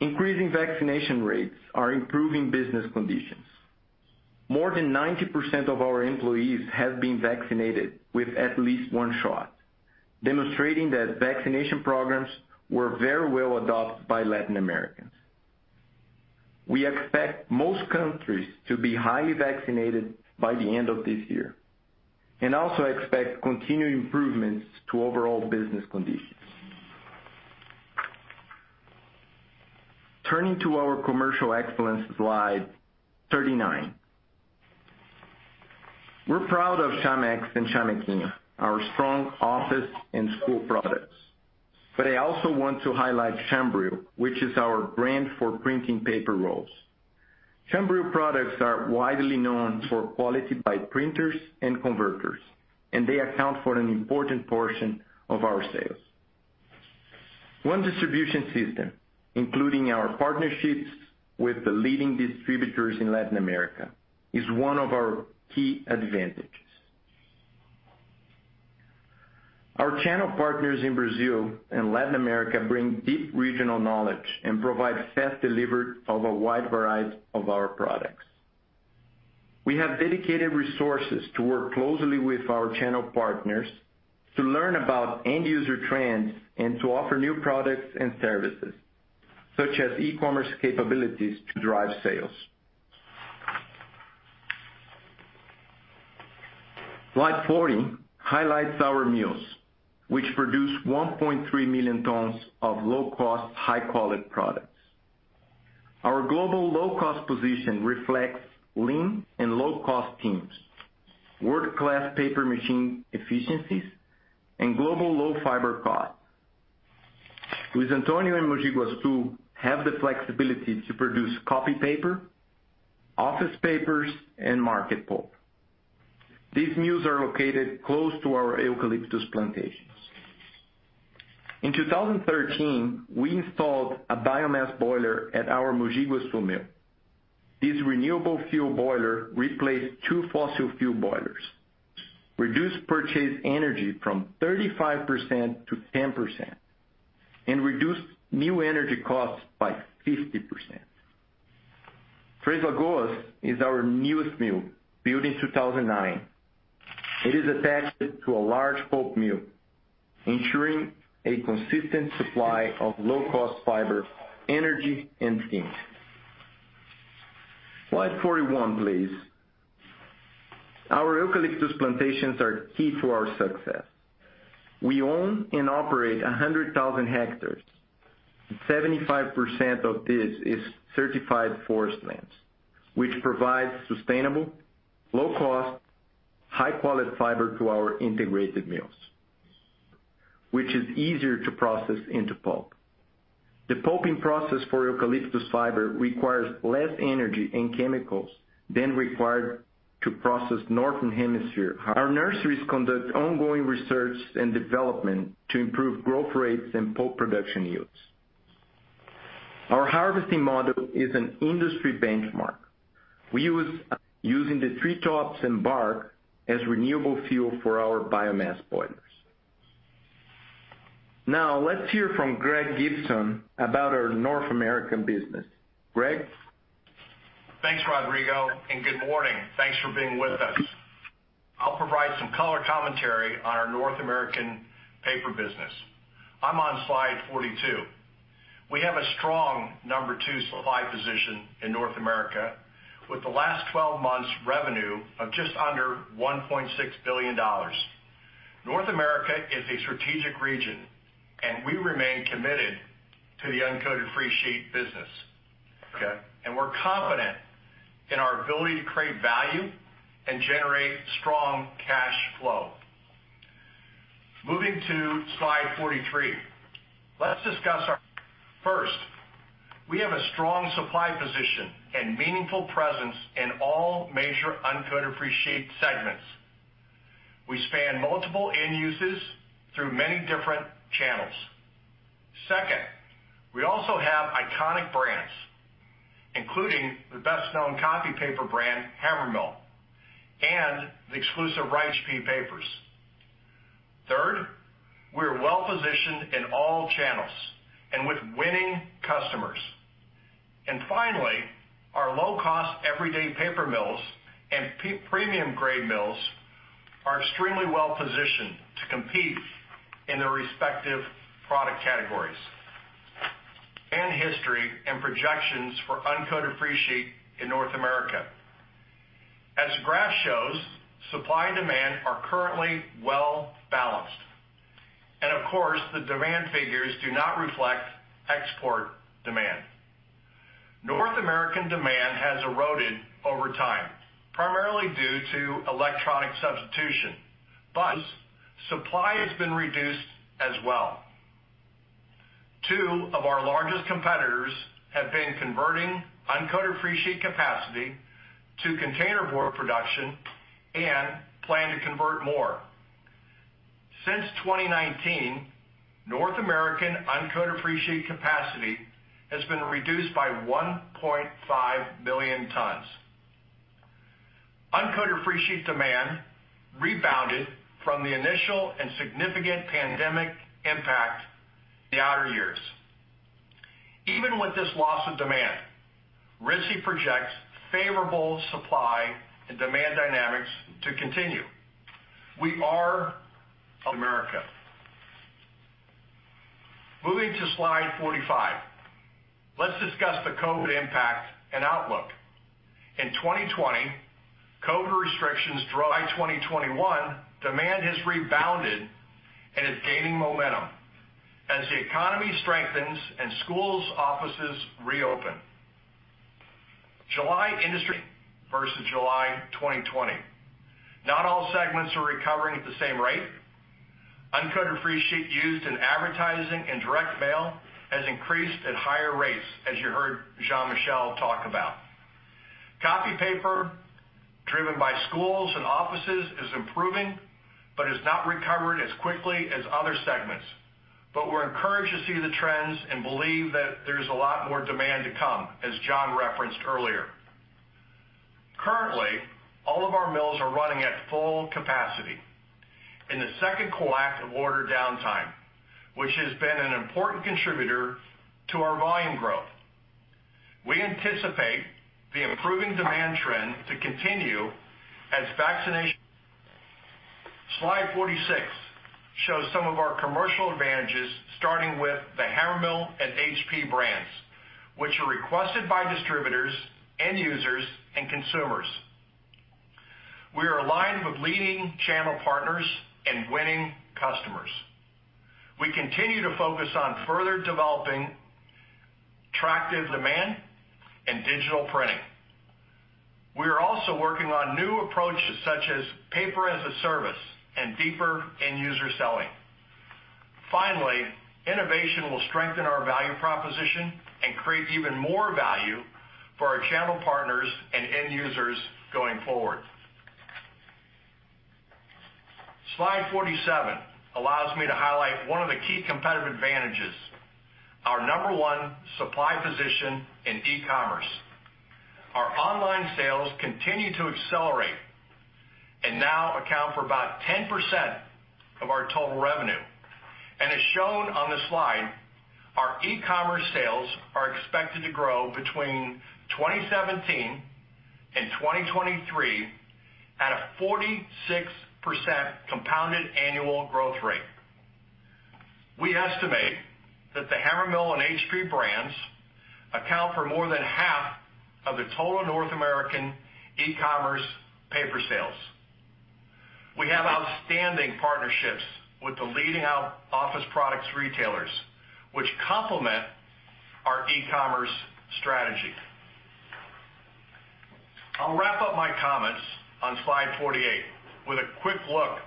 Increasing vaccination rates are improving business conditions. More than 90% of our employees have been vaccinated with at least one shot, demonstrating that vaccination programs were very well-adopted by Latin Americans. We expect most countries to be highly vaccinated by the end of this year and also expect continued improvements to overall business conditions. Turning to our commercial excellence slide 39. We're proud of Chamex and Chamequinho, our strong office and school products. I also want to highlight Chambril, which is our brand for printing paper rolls. Chambril products are widely known for quality by printers and converters, and they account for an important portion of our sales. One distribution system, including our partnerships with the leading distributors in Latin America, is one of our key advantages. Our channel partners in Brazil and Latin America bring deep regional knowledge and provide fast delivery of a wide variety of our products. We have dedicated resources to work closely with our channel partners to learn about end-user trends and to offer new products and services, such as e-commerce capabilities to drive sales. Slide 40 highlights our mills, which produce 1.3 million tons of low-cost, high-quality products. Our global low-cost position reflects lean and low-cost teams, world-class paper machine efficiencies, and global low fiber costs. Luiz Antonio and Mogi Guaçu have the flexibility to produce copy paper, office papers, and market pulp. These mills are located close to our eucalyptus plantations. In 2013, we installed a biomass boiler at our Mogi Guaçu mill. This renewable fuel boiler replaced two fossil fuel boilers, reduced purchased energy from 35% to 10%, and reduced new energy costs by 50%. Três Lagoas is our newest mill, built in 2009. It is attached to a large pulp mill, ensuring a consistent supply of low-cost fiber, energy, and steam. Slide 41, please. Our eucalyptus plantations are key to our success. We own and operate 100,000 hectares, and 75% of this is certified forest lands, which provides sustainable, low-cost, high-quality fiber to our integrated mills, which is easier to process into pulp. The pulping process for eucalyptus fiber requires less energy and chemicals than required to process Northern Hemisphere. Our nurseries conduct ongoing research and development to improve growth rates and pulp production yields. Our harvesting model is an industry benchmark. We're using the treetops and bark as renewable fuel for our biomass boilers. Let's hear from Greg Gibson about our North American business. Greg? Thanks, Rodrigo, good morning. Thanks for being with us. I'll provide some color commentary on our North American paper business. I'm on slide 42. We have a strong number two supply position in North America, with the last 12 months revenue of just under $1.6 billion. North America is a strategic region, we remain committed to the uncoated free sheet business. Okay? We're confident in our ability to create value and generate strong free cash flow. Moving to slide 43. Let's discuss. First, we have a strong supply position and meaningful presence in all major uncoated free sheet segments. We span multiple end uses through many different channels. Second, we also have iconic brands, including the best-known copy paper brand, Hammermill, and the exclusive HP Papers. Third, we're well-positioned in all channels and with winning customers. Finally, our low-cost, everyday paper mills and premium grade mills are extremely well-positioned to compete in their respective product categories. History and projections for uncoated free sheet in North America. As the graph shows, supply and demand are currently well balanced. Of course, the demand figures do not reflect export demand. North American demand has eroded over time, primarily due to electronic substitution. Supply has been reduced as well. Two of our largest competitors have been converting uncoated free sheet capacity to containerboard production and plan to convert more. Since 2019, North American uncoated free sheet capacity has been reduced by 1.5 million tons. Uncoated free sheet demand rebounded from the initial and significant pandemic impact in the outer years. Even with this loss of demand, RISI projects favorable supply and demand dynamics to continue. We are America. Moving to slide 45. Let's discuss the COVID impact and outlook. In 2020, by 2021, demand has rebounded and is gaining momentum as the economy strengthens and schools, offices reopen. July industry versus July 2020. Not all segments are recovering at the same rate. Uncoated free sheet used in advertising and direct mail has increased at higher rates, as you heard Jean-Michel talk about. Copy paper driven by schools and offices is improving, has not recovered as quickly as other segments. We're encouraged to see the trends and believe that there's a lot more demand to come, as John referenced earlier. Currently, all of our mills are running at full capacity in the 2Q downtime, which has been an important contributor to our volume growth. We anticipate the improving demand trend to continue. Slide 46 shows some of our commercial advantages starting with the Hammermill and HP brands, which are requested by distributors, end users, and consumers. We are aligned with leading channel partners and winning customers. We continue to focus on further developing attractive demand and digital printing. We are also working on new approaches such as paper-as-a-service and deeper end user selling. Innovation will strengthen our value proposition and create even more value for our channel partners and end users going forward. Slide 47 allows me to highlight one of the key competitive advantages, our number one supply position in e-commerce. Our online sales continue to accelerate and now account for about 10% of our total revenue. As shown on the slide, our e-commerce sales are expected to grow between 2017 and 2023 at a 46% compounded annual growth rate. We estimate that the Hammermill and HP brands account for more than half of the total North American e-commerce paper sales. We have outstanding partnerships with the leading office products retailers, which complement our e-commerce strategy. I'll wrap up my comments on slide 48 with a quick look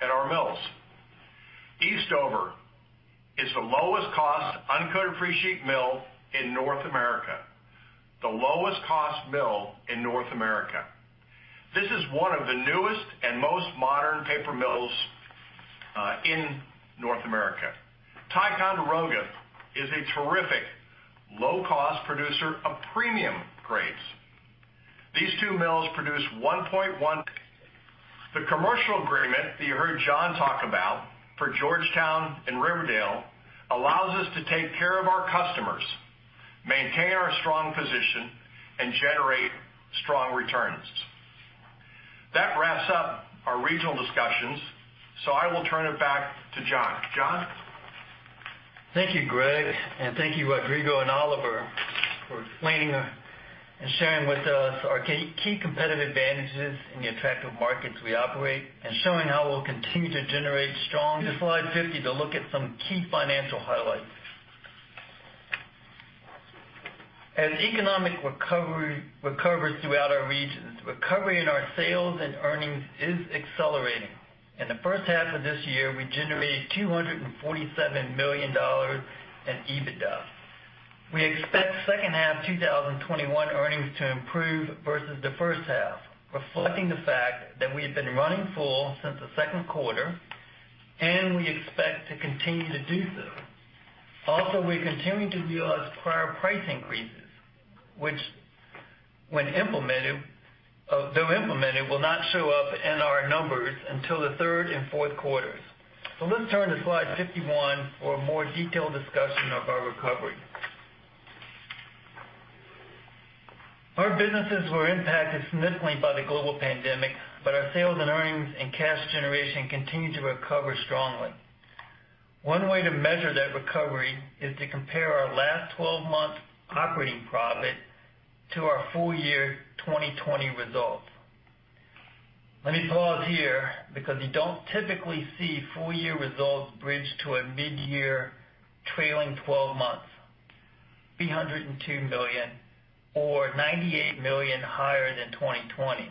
at our mills. Eastover is the lowest cost uncoated free sheet mill in North America, the lowest cost mill in North America. This is one of the newest and most modern paper mills in North America. Ticonderoga is a terrific low-cost producer of premium grades. These 2 mills produce 1.1. The commercial agreement that you heard John talk about for Georgetown and Riverdale allows us to take care of our customers, maintain our strong position, and generate strong returns. That wraps up our regional discussions, so I will turn it back to John. John? Thank you, Greg, and thank you, Rodrigo and Oliver, for explaining and sharing with us our key competitive advantages in the attractive markets we operate, and showing how we'll continue to generate strong. To slide 50 to look at some key financial highlights. As economic recovers throughout our regions, recovery in our sales and earnings is accelerating. In the first half of this year, we generated $247 million in EBITDA. We expect second half 2021 earnings to improve versus the first half, reflecting the fact that we have been running full since the second quarter, and we expect to continue to do so. Also, we're continuing to realize prior price increases, which though implemented, will not show up in our numbers until the third and fourth quarters. Let's turn to slide 51 for a more detailed discussion of our recovery. Our businesses were impacted significantly by the global pandemic. Our sales and earnings and cash generation continued to recover strongly. One way to measure that recovery is to compare our last 12 months operating profit to our full year 2020 results. Let me pause here because you don't typically see full year results bridged to a mid-year trailing 12 months. $302 million or $98 million higher than 2020.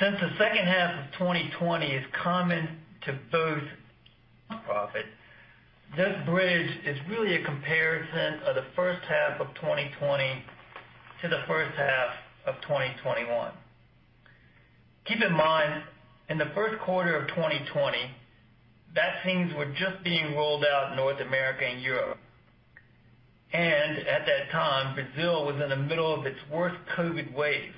Since the second half of 2020 is common to both profit, this bridge is really a comparison of the first half of 2020 to the first half of 2021. Keep in mind, in the first quarter of 2020, vaccines were just being rolled out in North America and Europe. At that time, Brazil was in the middle of its worst COVID wave.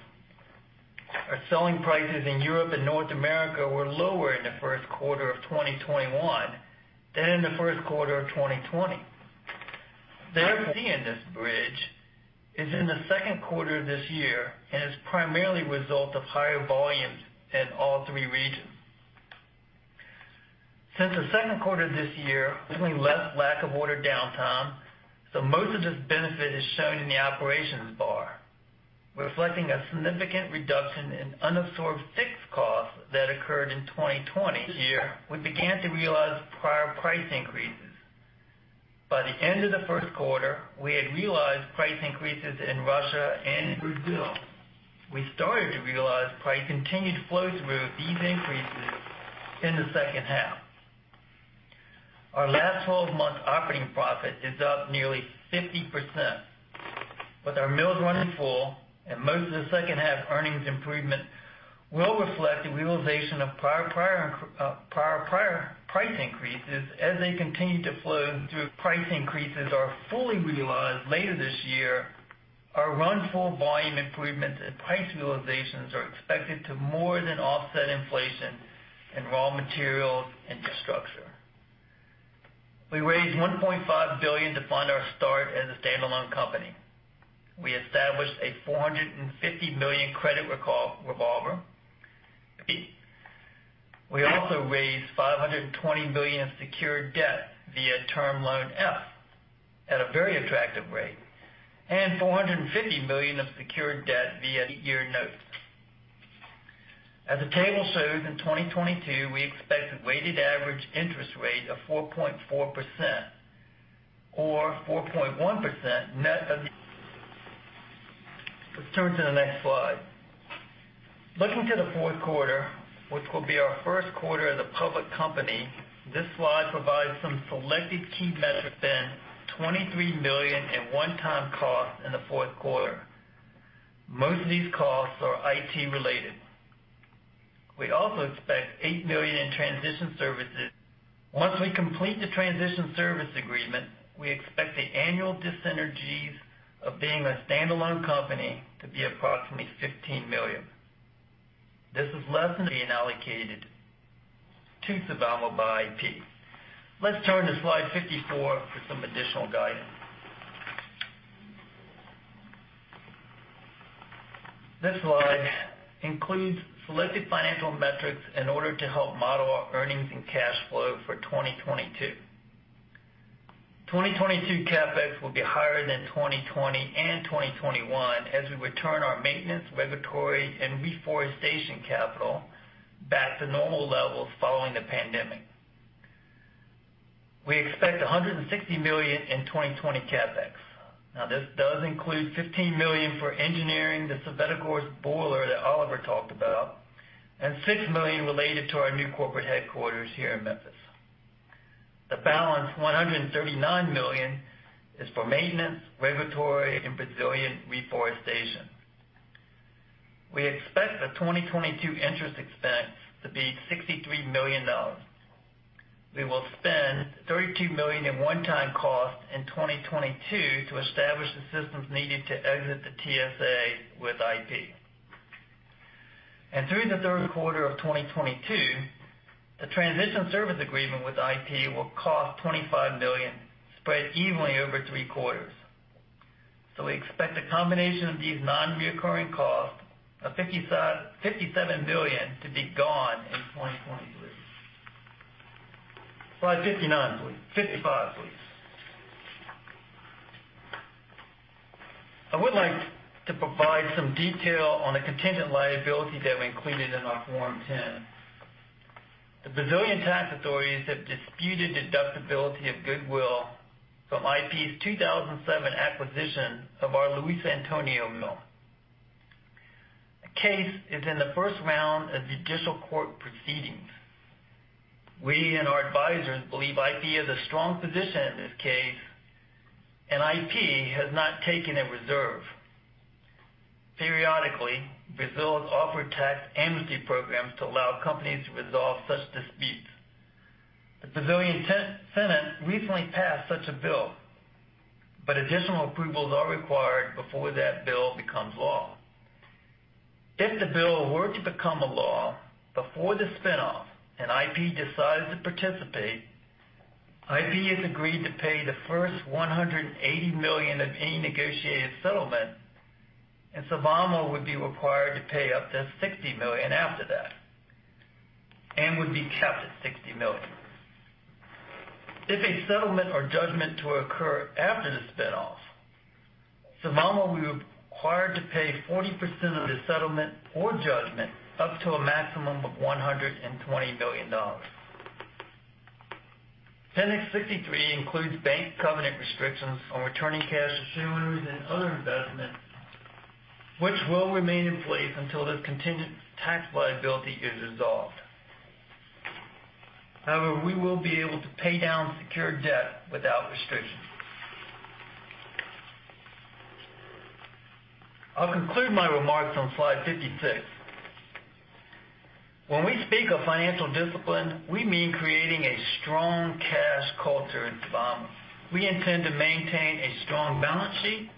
Our selling prices in Europe and North America were lower in the first quarter of 2021 than in the first quarter of 2020. The increase in this bridge is in the second quarter of this year and is primarily a result of higher volumes in all 3 regions. Since the second quarter of this year, there's been less lack of order downtime, so most of this benefit is shown in the operations bar, reflecting a significant reduction in unabsorbed fixed costs that occurred in 2020. This year, we began to realize prior price increases. By the end of the first quarter, we had realized price increases in Russia and Brazil. We started to realize price continued to flow through these increases in the second half. Our last 12-month operating profit is up nearly 50%, with our mills running full and most of the second half earnings improvement will reflect the realization of prior price increases as they continue to flow through. Price increases are fully realized later this year. Our run full volume improvements and price realizations are expected to more than offset inflation in raw materials and structure. We raised $1.5 billion to fund our start as a standalone company. We established a $450 million credit revolver. We also raised $520 million of secured debt via Term Loan B at a very attractive rate, and $450 million of secured debt via the eight-year note. As the table shows, in 2022, we expect a weighted average interest rate of 4.4% or 4.1% net of. Let's turn to the next slide. Looking to the fourth quarter, which will be our first quarter as a public company. This slide provides some selected key metrics. $23 million in one-time costs in the fourth quarter. Most of these costs are IT related. We also expect $8 million in transition services. Once we complete the transition service agreement, we expect the annual dissynergies of being a standalone company to be approximately $15 million. This is less than being allocated to Sylvamo by IP. Let's turn to slide 54 for some additional guidance. This slide includes selected financial metrics in order to help model our earnings and cash flow for 2022. 2022 CapEx will be higher than 2020 and 2021 as we return our maintenance, regulatory, and reforestation capital back to normal levels following the pandemic. We expect $160 million in 2020 CapEx. This does include $15 million for engineering the Svetogorsk's boiler that Oliver talked about, and $6 million related to our new corporate headquarters here in Memphis. The balance, $139 million, is for maintenance, regulatory, and Brazilian reforestation. We expect the 2022 interest expense to be $63 million. We will spend $32 million in one-time costs in 2022 to establish the systems needed to exit the TSA with IP. Through the third quarter of 2022, the transition service agreement with IP will cost $25 million, spread evenly over three quarters. We expect a combination of these non-reoccurring costs of $57 million to be gone in 2023. Slide 55, please. I would like to provide some detail on the contingent liability that we included in our Form 10. The Brazilian tax authorities have disputed deductibility of goodwill from IP's 2007 acquisition of our Luiz Antônio mill. The case is in the first round of judicial court proceedings. We and our advisors believe IP has a strong position in this case, and IP has not taken a reserve. Periodically, Brazil has offered tax amnesty programs to allow companies to resolve such disputes. The Federal Senate recently passed such a bill, but additional approvals are required before that bill becomes law. If the bill were to become a law before the spinoff and IP decides to participate, IP has agreed to pay the first $180 million of any negotiated settlement, and Sylvamo would be required to pay up to $60 million after that, and would be capped at $60 million. If a settlement or judgment to occur after the spinoff, Sylvamo will be required to pay 40% of the settlement or judgment up to a maximum of $120 million. Appendix 63 includes bank covenant restrictions on returning cash to shareholders and other investments, which will remain in place until this contingent tax liability is resolved. We will be able to pay down secured debt without restrictions. I'll conclude my remarks on slide 56. When we speak of financial discipline, we mean creating a strong cash culture at Sylvamo. We intend to maintain a strong balance sheet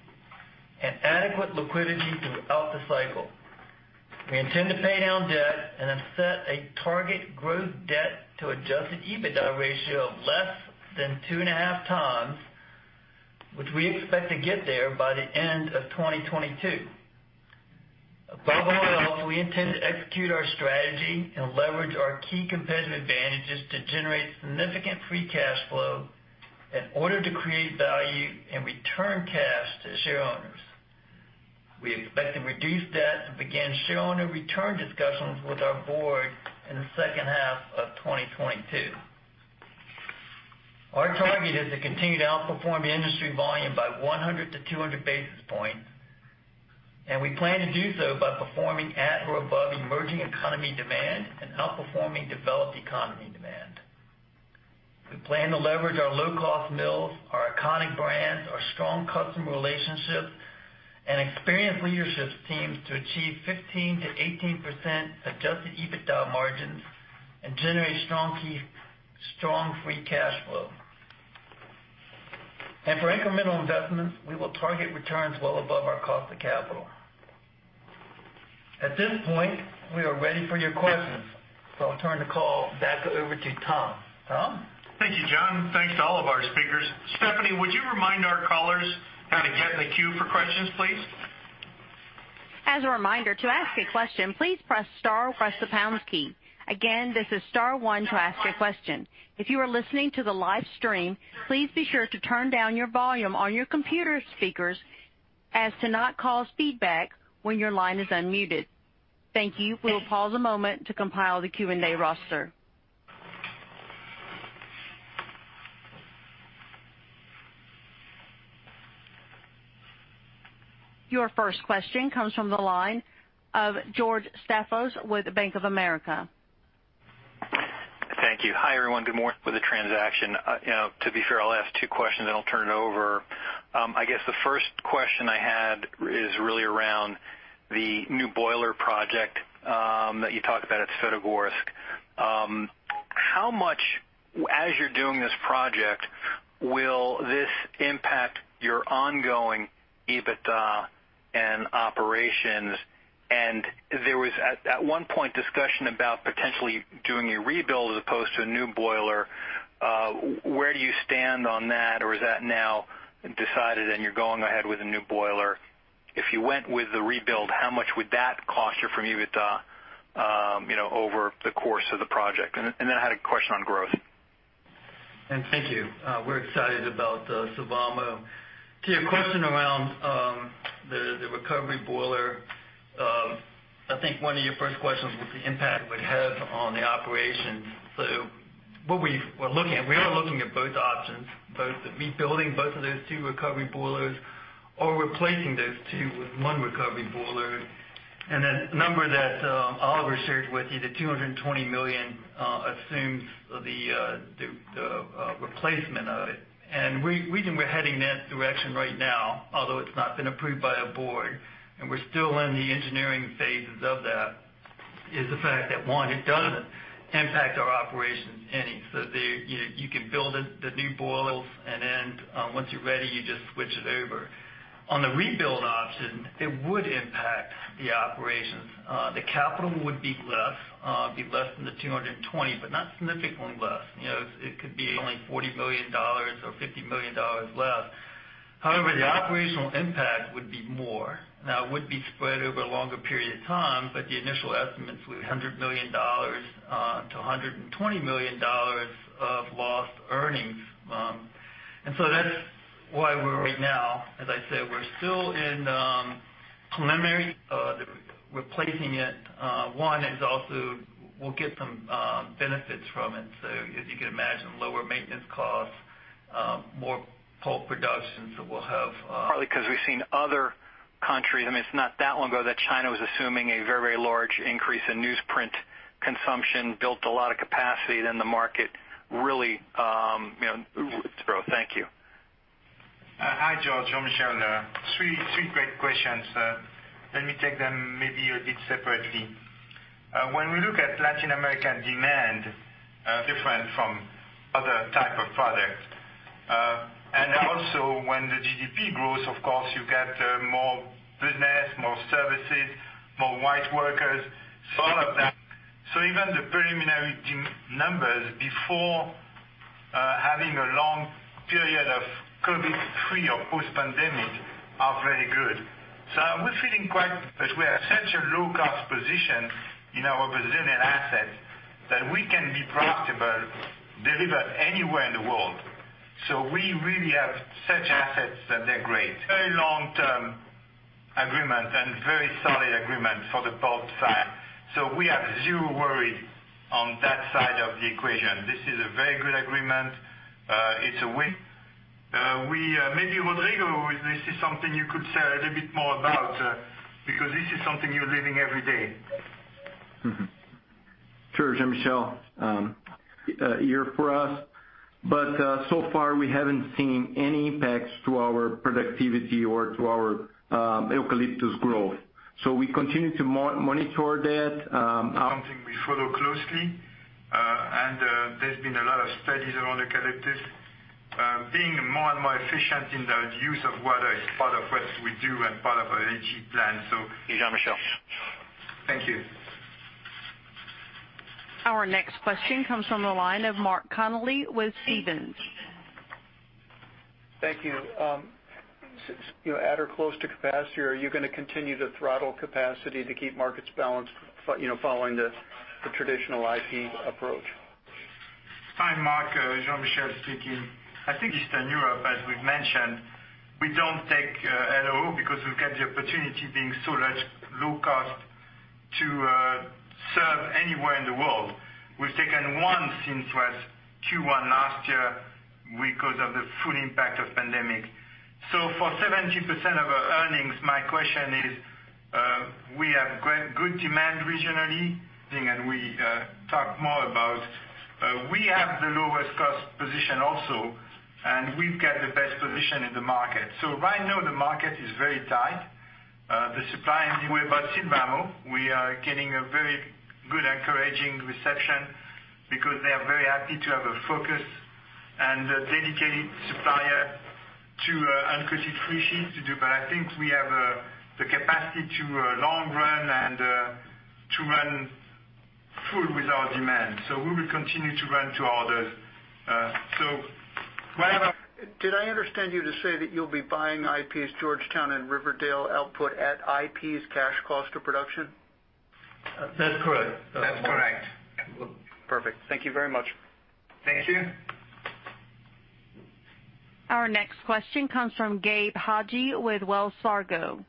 and adequate liquidity throughout the cycle. We intend to pay down debt and have set a target gross debt to adjusted EBITDA ratio of less than 2.5x, which we expect to get there by the end of 2022. Above all else, we intend to execute our strategy and leverage our key competitive advantages to generate significant free cash flow in order to create value and return cash to shareowners. We expect to reduce debt to begin shareowner return discussions with our board in the second half of 2022. Our target is to continue to outperform the industry volume by 100 basis points-200 basis points. We plan to do so by performing at or above emerging economy demand and outperforming developed economy demand. We plan to leverage our low-cost mills, our iconic brands, our strong customer relationships, and experienced leadership teams to achieve 15%-18% adjusted EBITDA margins and generate strong free cash flow. For incremental investments, we will target returns well above our cost of capital. At this point, we are ready for your questions. I'll turn the call back over to Tom. Tom? Thank you, John. Thanks to all of our speakers. Stephanie, would you remind our callers how to get in the queue for questions, please? As a reminder to ask a question please press star plus the pound key. Again this is star one to ask a question. If you are listening to the live stream please be sure to turn down your volume on your computer speakers as to not cause speak back when your line is unmuted. Thank you, we will pause a moment to compile the Q&A roster. Your first question comes from the line of George Staphos with Bank of America. Thank you. Hi, everyone. Good morning with the transaction. To be fair, I'll ask two questions, then I'll turn it over. I guess the first question I had is really around the new boiler project that you talked about at Svetogorsk. How much, as you're doing this project, will this impact your ongoing EBITDA and operations? There was, at one point, discussion about potentially doing a rebuild as opposed to a new boiler. Where do you stand on that? Is that now decided and you're going ahead with a new boiler? If you went with the rebuild, how much would that cost you from EBITDA over the course of the project? I had a question on growth. Thank you. We're excited about Sylvamo. To your question around the recovery boiler, I think one of your first questions was the impact it would have on the operations. What we were looking at, we are looking at both options, both the rebuilding both of those two recovery boilers or replacing those two with one recovery boiler. The number that Oliver shared with you, the $220 million, assumes the replacement of it. The reason we're heading in that direction right now, although it's not been approved by a board, and we're still in the engineering phases of that, is the fact that, one, it doesn't impact our operations any. You can build the new boilers, and then once you're ready, you just switch it over. On the rebuild option, it would impact the operations. The capital would be less than $220, but not significantly less. It could be only $40 million or $50 million less. However, the operational impact would be more. Now, it would be spread over a longer period of time, but the initial estimates were $100 million to $120 million of lost earnings. That's why we're right now, as I said, we're still in preliminary replacing it. One is also we'll get some benefits from it. As you can imagine, lower maintenance costs, more pulp production. Probably because we've seen other countries. It's not that long ago that China was assuming a very large increase in newsprint consumption, built a lot of capacity, then the market really would grow. Thank you. Hi, George. Jean-Michel. Three great questions. Let me take them maybe a bit separately. When we look at Latin American demand, different from other type of products. Also when the GDP grows, of course, you get more business, more services, more white workers, all of that. Even the preliminary numbers before having a long period of COVID-free or post-pandemic are very good. We're feeling quite because we have such a low-cost position in our Brazilian assets that we can be profitable, deliver anywhere in the world. We really have such assets that they're great. Very long-term agreement and very solid agreement for the pulp side. We have zero worry on that side of the equation. This is a very good agreement. It's a win. Maybe Rodrigo, this is something you could say a little bit more about because this is something you're living every day. Sure, Jean-Michel. Year for us, but so far, we haven't seen any impacts to our productivity or to our eucalyptus growth. We continue to monitor that. Something we follow closely. There's been a lot of studies around eucalyptus. Being more and more efficient in the use of water is part of what we do and part of our energy plan. Hey, Jean-Michel. Thank you. Our next question comes from the line of Mark Connelly with Stephens. Thank you. At or close to capacity, are you going to continue to throttle capacity to keep markets balanced following the traditional IP approach? Hi, Mark, Jean-Michel speaking. I think Eastern Europe, as we've mentioned, we don't take LOD because we've got the opportunity being so much low cost to serve anywhere in the world. We've taken one since Q1 last year because of the full impact of pandemic. For 70% of our earnings, my question is, we have good demand regionally, and we talk more about. We have the lowest cost position also, and we've got the best position in the market. Right now, the market is very tight. The supply and demand. About Sylvamo, we are getting a very good encouraging reception because they are very happy to have a focus and a dedicated supplier to uncoated free sheet to do. I think we have the capacity to long run and to run full with our demand. We will continue to run to orders. Whenever- Did I understand you to say that you'll be buying IP's Georgetown and Riverdale output at IP's cash cost of production? That's correct. That's correct. Perfect. Thank you very much. Thank you. Our next question comes from Gabe Hajde with Wells Fargo.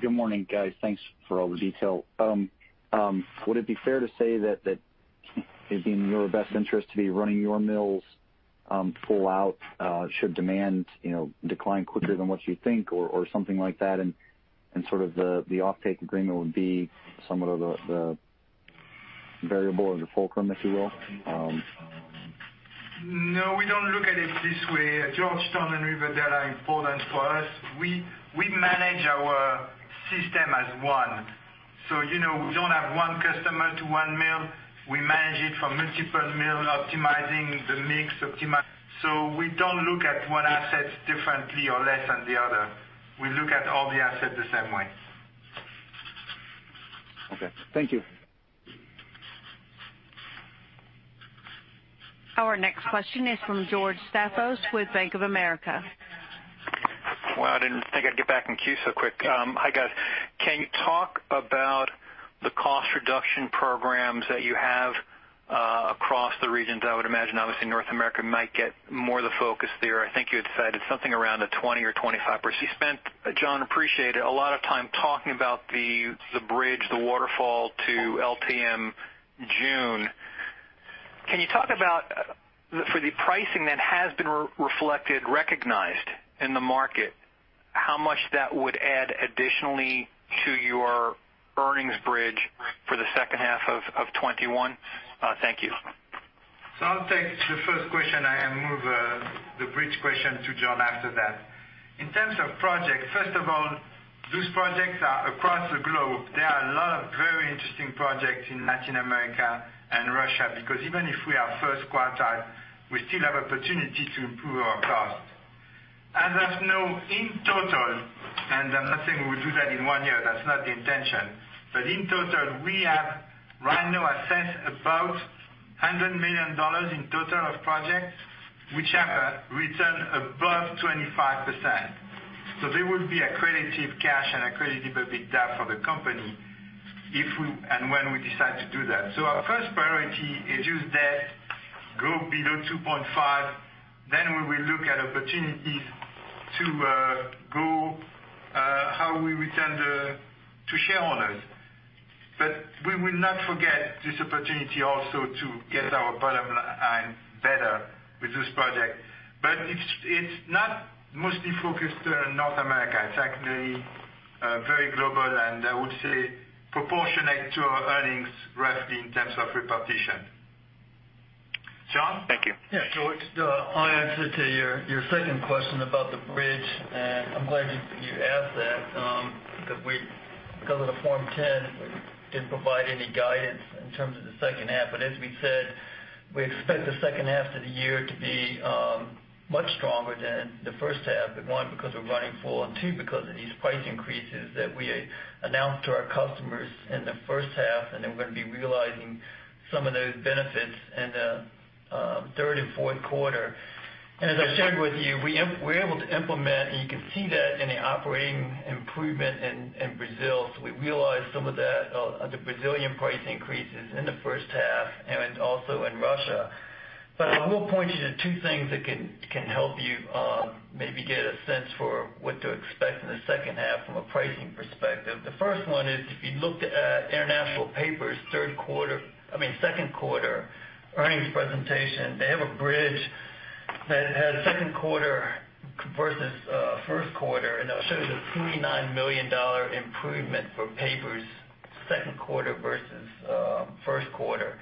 Good morning, guys. Thanks for all the detail. Would it be fair to say that it'd be in your best interest to be running your mills full out, should demand decline quicker than what you think or something like that, and sort of the offtake agreement would be somewhat of the variable or the fulcrum, if you will? We don't look at it this way. Georgetown and Riverdale are important for us. We manage our system as one. We don't have 1 customer to 1 mill. We manage it for multiple mill, optimizing the mix. We don't look at 1 asset differently or less than the other. We look at all the assets the same way. Okay. Thank you. Our next question is from George Staphos with Bank of America. Well, I didn't think I'd get back in queue so quick. Hi, guys. Can you talk about the cost reduction programs that you have across the regions? I would imagine, obviously North America might get more of the focus there. I think you had said it's something around a 20% or 25%. You spent, John, appreciate it, a lot of time talking about the bridge, the waterfall to LTM June. Can you talk about, for the pricing that has been reflected, recognized in the market, how much that would add additionally to your earnings bridge for the second half of 2021? Thank you. I'll take the first question, and move the bridge question to John after that. In terms of projects, first of all, those projects are across the globe. There are a lot of very interesting projects in Latin America and Russia, because even if we are first quartile, we still have opportunity to improve our cost. As of now, in total, I'm not saying we will do that in one year, that's not the intention. In total, we have right now assets about $100 million in total of projects, which have a return above 25%. They would be accretive cash and accretive EBITDA for the company, if we and when we decide to do that. Our first priority is use debt, go below 2.5. We will look at opportunities to grow, how we return to shareholders. We will not forget this opportunity also to get our bottom line better with this project. It's not mostly focused on North America. It's actually very global, and I would say proportionate to our earnings roughly in terms of repartition. John? Thank you. Yeah. George, I'll answer to your second question about the bridge, and I'm glad you asked that. Because of the Form 10, we didn't provide any guidance in terms of the second half. As we said, we expect the second half of the year to be much stronger than the first half. One, because we're running full, and two, because of these price increases that we announced to our customers in the first half, and then we're going to be realizing some of those benefits in the third and fourth quarter. As I shared with you, we're able to implement, and you can see that in the operating improvement in Brazil. We realized some of that on the Brazilian price increases in the first half and also in Russia. I will point you to two things that can help you maybe get a sense for what to expect in the second half from a pricing perspective. The first one is if you looked at International Paper's second quarter earnings presentation. They have a bridge that has second quarter versus first quarter, and that shows a $29 million improvement for Papers second quarter versus first quarter.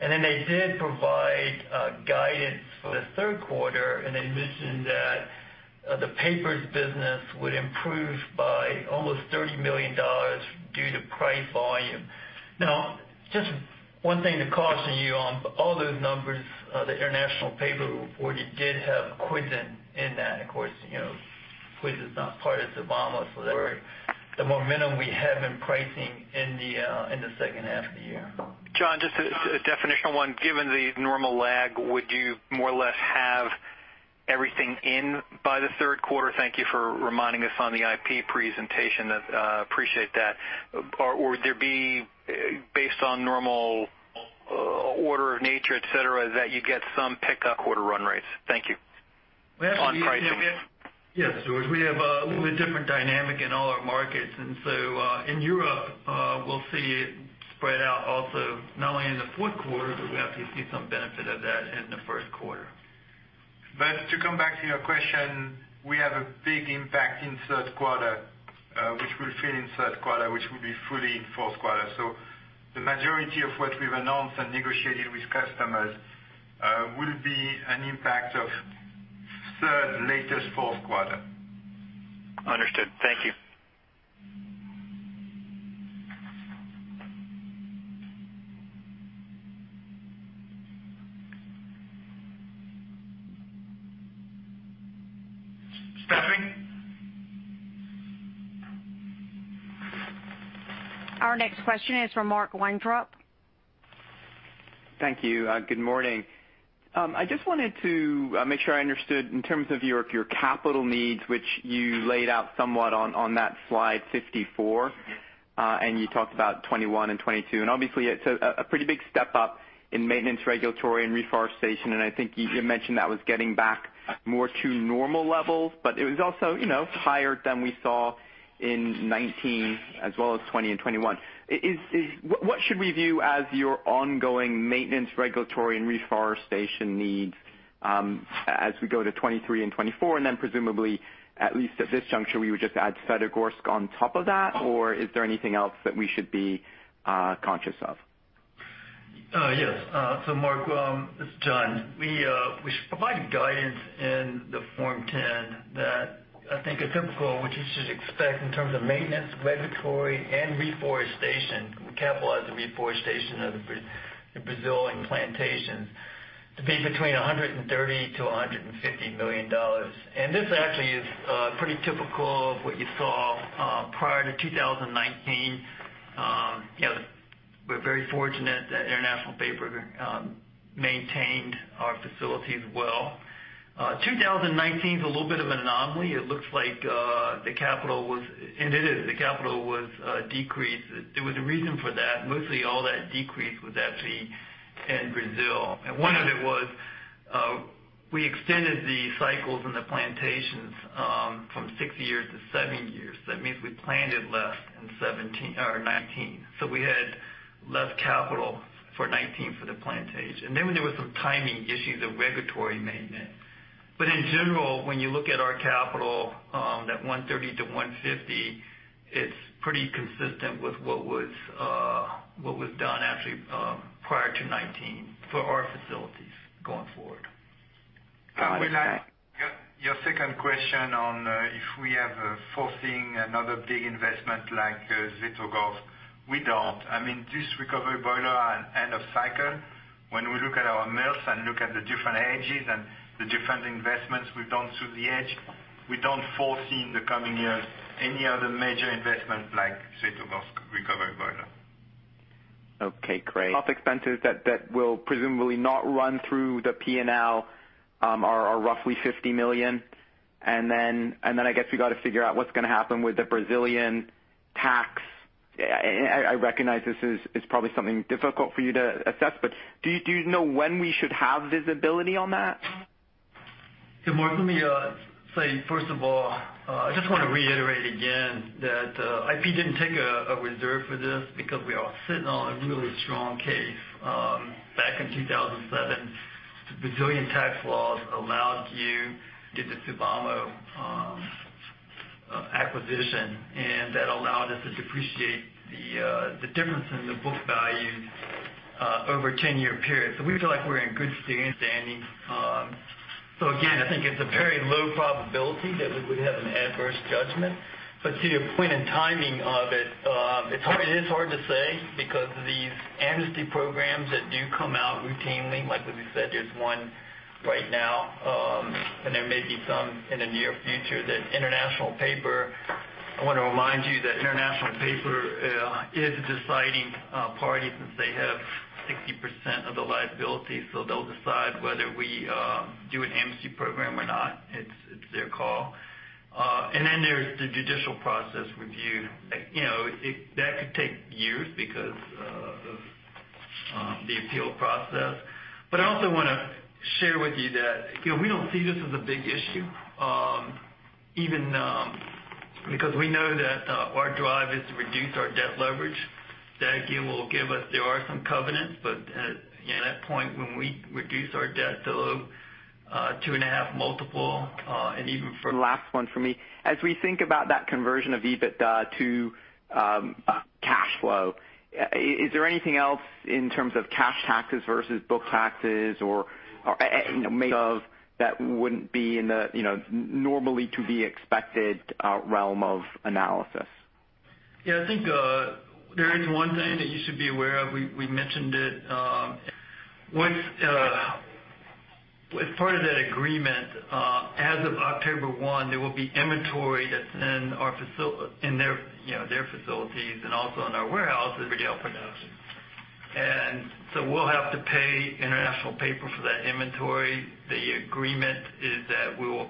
They did provide guidance for the third quarter, and they mentioned that the Papers business would improve by almost $30 million due to price volume. Now, just one thing to caution you on. All those numbers the International Paper reported did have Kwidzyn in that. Of course, Kwidzyn is not part of Sylvamo, so the momentum we have in pricing in the second half of the year. John, just a definitional one. Given the normal lag, would you more or less have everything in by the third quarter? Thank you for reminding us on the IP presentation. Appreciate that. Or would there be based on normal order of nature, et cetera, that you get some pickup quarter run rates? Thank you. On pricing. Yes, George. We have a different dynamic in all our markets. In Europe, we'll see it spread out also not only in the fourth quarter, but we have to see some benefit of that in the first quarter. To come back to your question, we have a big impact in third quarter, which will fit in third quarter, which will be fully in fourth quarter. The majority of what we've announced and negotiated with customers will be an impact of third, latest fourth quarter. Understood. Thank you. Stephanie? Our next question is from Mark Weintraub. Thank you. Good morning. I just wanted to make sure I understood in terms of your capital needs, which you laid out somewhat on that slide 54, and you talked about 2021 and 2022, and obviously it's a pretty big step up in maintenance, regulatory, and reforestation. I think you mentioned that was getting back more to normal levels, but it was also higher than we saw in 2019 as well as 2020 and 2021. What should we view as your ongoing maintenance, regulatory, and reforestation needs as we go to 2023 and 2024? Then presumably, at least at this juncture, we would just add Svetogorsk on top of that, or is there anything else that we should be conscious of? Yes. Mark, it's John. We provided guidance in the Form 10 that I think is typical, which you should expect in terms of maintenance, regulatory, and reforestation. We capitalize the reforestation of the Brazil and plantations to be between $130 million-$150 million. This actually is pretty typical of what you saw prior to 2019. We are very fortunate that International Paper maintained our facilities well. 2019 is a little bit of an anomaly. It looks like the capital was decreased. There was a reason for that. Mostly all that decrease was actually in Brazil. One of it was we extended the cycles in the plantations from six years to seven years. That means we planted less in 2019. We had less capital for 2019 for the plantation. Then there were some timing issues of regulatory maintenance. In general, when you look at our capital, that $130-$150, it's pretty consistent with what was done actually prior to 2019 for our facilities going forward. Your second question on if we have foreseen another big investment like Svetogorsk, we don't. This recovery boiler and end of cycle, when we look at our mills and look at the different ages and the different investments we've done through the age, we don't foresee in the coming years any other major investment like Svetogorsk recovery boiler. Okay, great. Top expenses that will presumably not run through the P&L are roughly $50 million. I guess we got to figure out what's going to happen with the Brazilian tax. I recognize this is probably something difficult for you to assess, but do you know when we should have visibility on that? Mark, let me say, first of all, I just want to reiterate again that IP didn't take a reserve for this because we are sitting on a really strong case. Back in 2007, Brazilian tax laws allowed you to get the Sylvamo acquisition, that allowed us to depreciate the difference in the book values over a 10-year period. We feel like we're in good standing. Again, I think it's a very low probability that we would have an adverse judgment. To your point in timing of it is hard to say because these amnesty programs that do come out routinely, like as we said, there's one right now, there may be some in the near future that I want to remind you that International Paper is a deciding party since they have 60% of the liability. They'll decide whether we do an amnesty program or not. It's their call. Then there's the judicial process review. That could take years because of the appeal process. I also want to share with you that we don't see this as a big issue. Even because we know that our drive is to reduce our debt leverage. That again, will give us, there are some covenants, but at that point, when we reduce our debt to a 2.5 multiple. Last one from me. As we think about that conversion of EBITDA to cash flow, is there anything else in terms of cash taxes versus book taxes or mix of that wouldn't be in the normally to be expected realm of analysis? Yeah, I think there is one thing that you should be aware of. We mentioned it. As part of that agreement, as of October 1, there will be inventory that's in their facilities and also in our warehouses. So we'll have to pay International Paper for that inventory. The agreement is that we'll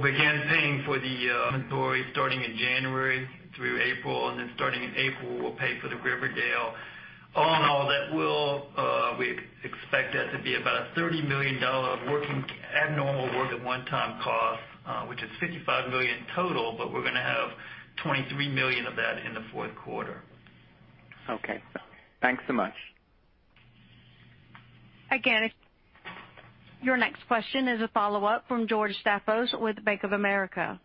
begin paying for the inventory starting in January through April, and then starting in April, we'll pay for the Riverdale. All in all, we expect that to be about a $30 million working at normal working one-time cost, which is $55 million in total, but we're going to have $23 million of that in the fourth quarter. Okay. Thanks so much. Again, your next question is a follow-up from George Staphos with Bank of America.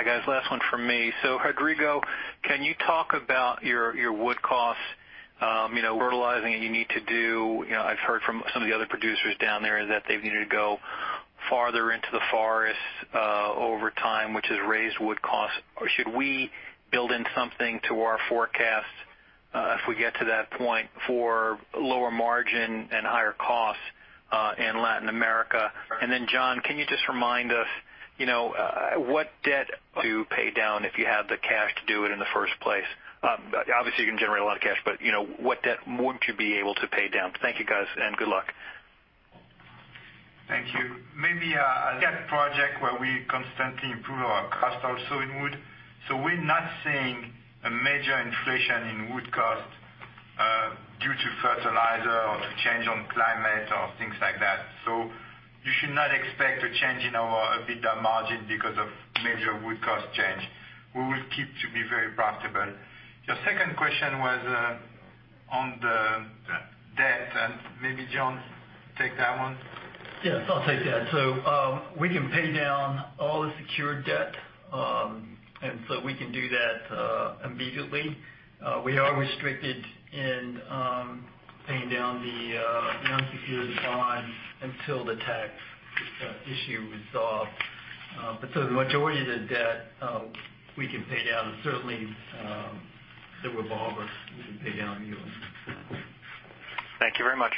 Hi, guys. Last one from me. Rodrigo, can you talk about your wood costs, fertilizing that you need to do? I've heard from some of the other producers down there that they've needed to go farther into the forest over time, which has raised wood costs. Should we build in something to our forecast if we get to that point for lower margin and higher costs in Latin America. John, can you just remind us what debt to pay down if you have the cash to do it in the first place? Obviously, you can generate a lot of cash, but what debt would you be able to pay down? Thank you, guys, and good luck. Thank you. Maybe a debt project where we constantly improve our cost also in wood. We're not seeing a major inflation in wood cost due to fertilizer or to change on climate or things like that. You should not expect a change in our EBITDA margin because of major wood cost change. We will keep to be very profitable. Your second question was on the debt, and maybe John take that one. Yes, I'll take that. We can pay down all the secured debt. We can do that immediately. We are restricted in paying down the unsecured bond until the tax issue resolved. The majority of the debt we can pay down, and certainly, the revolver we can pay down. Thank you very much.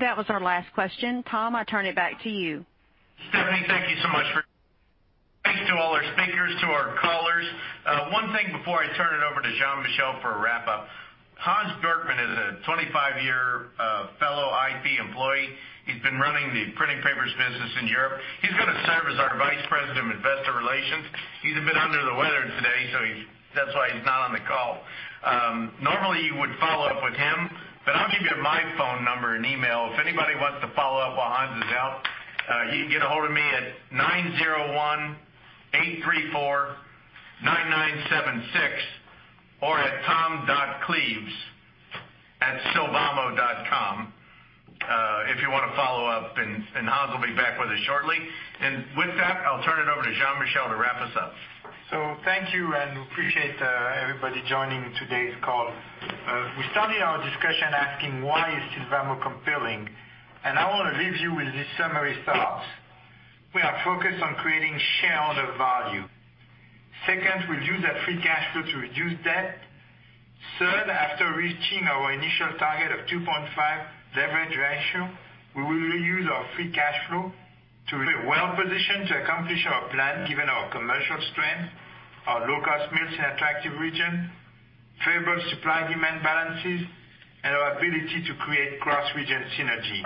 That was our last question. Tom, I turn it back to you. Stephanie, thank you so much. Thanks to all our speakers, to our callers. One thing before I turn it over to Jean-Michel for a wrap-up. Hans Bjorkman is a 25-year fellow IP employee. He's been running the printing papers business in Europe. He's going to serve as our Vice President of Investor Relations. He's a bit under the weather today, so that's why he's not on the call. Normally, you would follow up with him, but I'll give you my phone number and email. If anybody wants to follow up while Hans is out, you can get ahold of me at 901-834-9976 or at tom.cleves@sylvamo.com, if you want to follow up. Hans will be back with us shortly. With that, I'll turn it over to Jean-Michel to wrap us up. Thank you, and appreciate everybody joining today's call. We started our discussion asking why is Sylvamo compelling, and I want to leave you with these summary thoughts. We are focused on creating shareholder value. Second, we'll use that free cash flow to reduce debt. Third, after reaching our initial target of 2.5 leverage ratio, we will use our free cash flow to be well-positioned to accomplish our plan given our commercial strength, our low-cost mills in attractive region, favorable supply-demand balances, and our ability to create cross-region synergy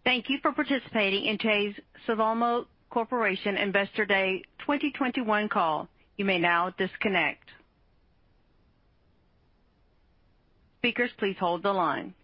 with product. Thank you for participating in today's Sylvamo Corporation Investor Day 2021 call. You may now disconnect. Speakers, please hold the line.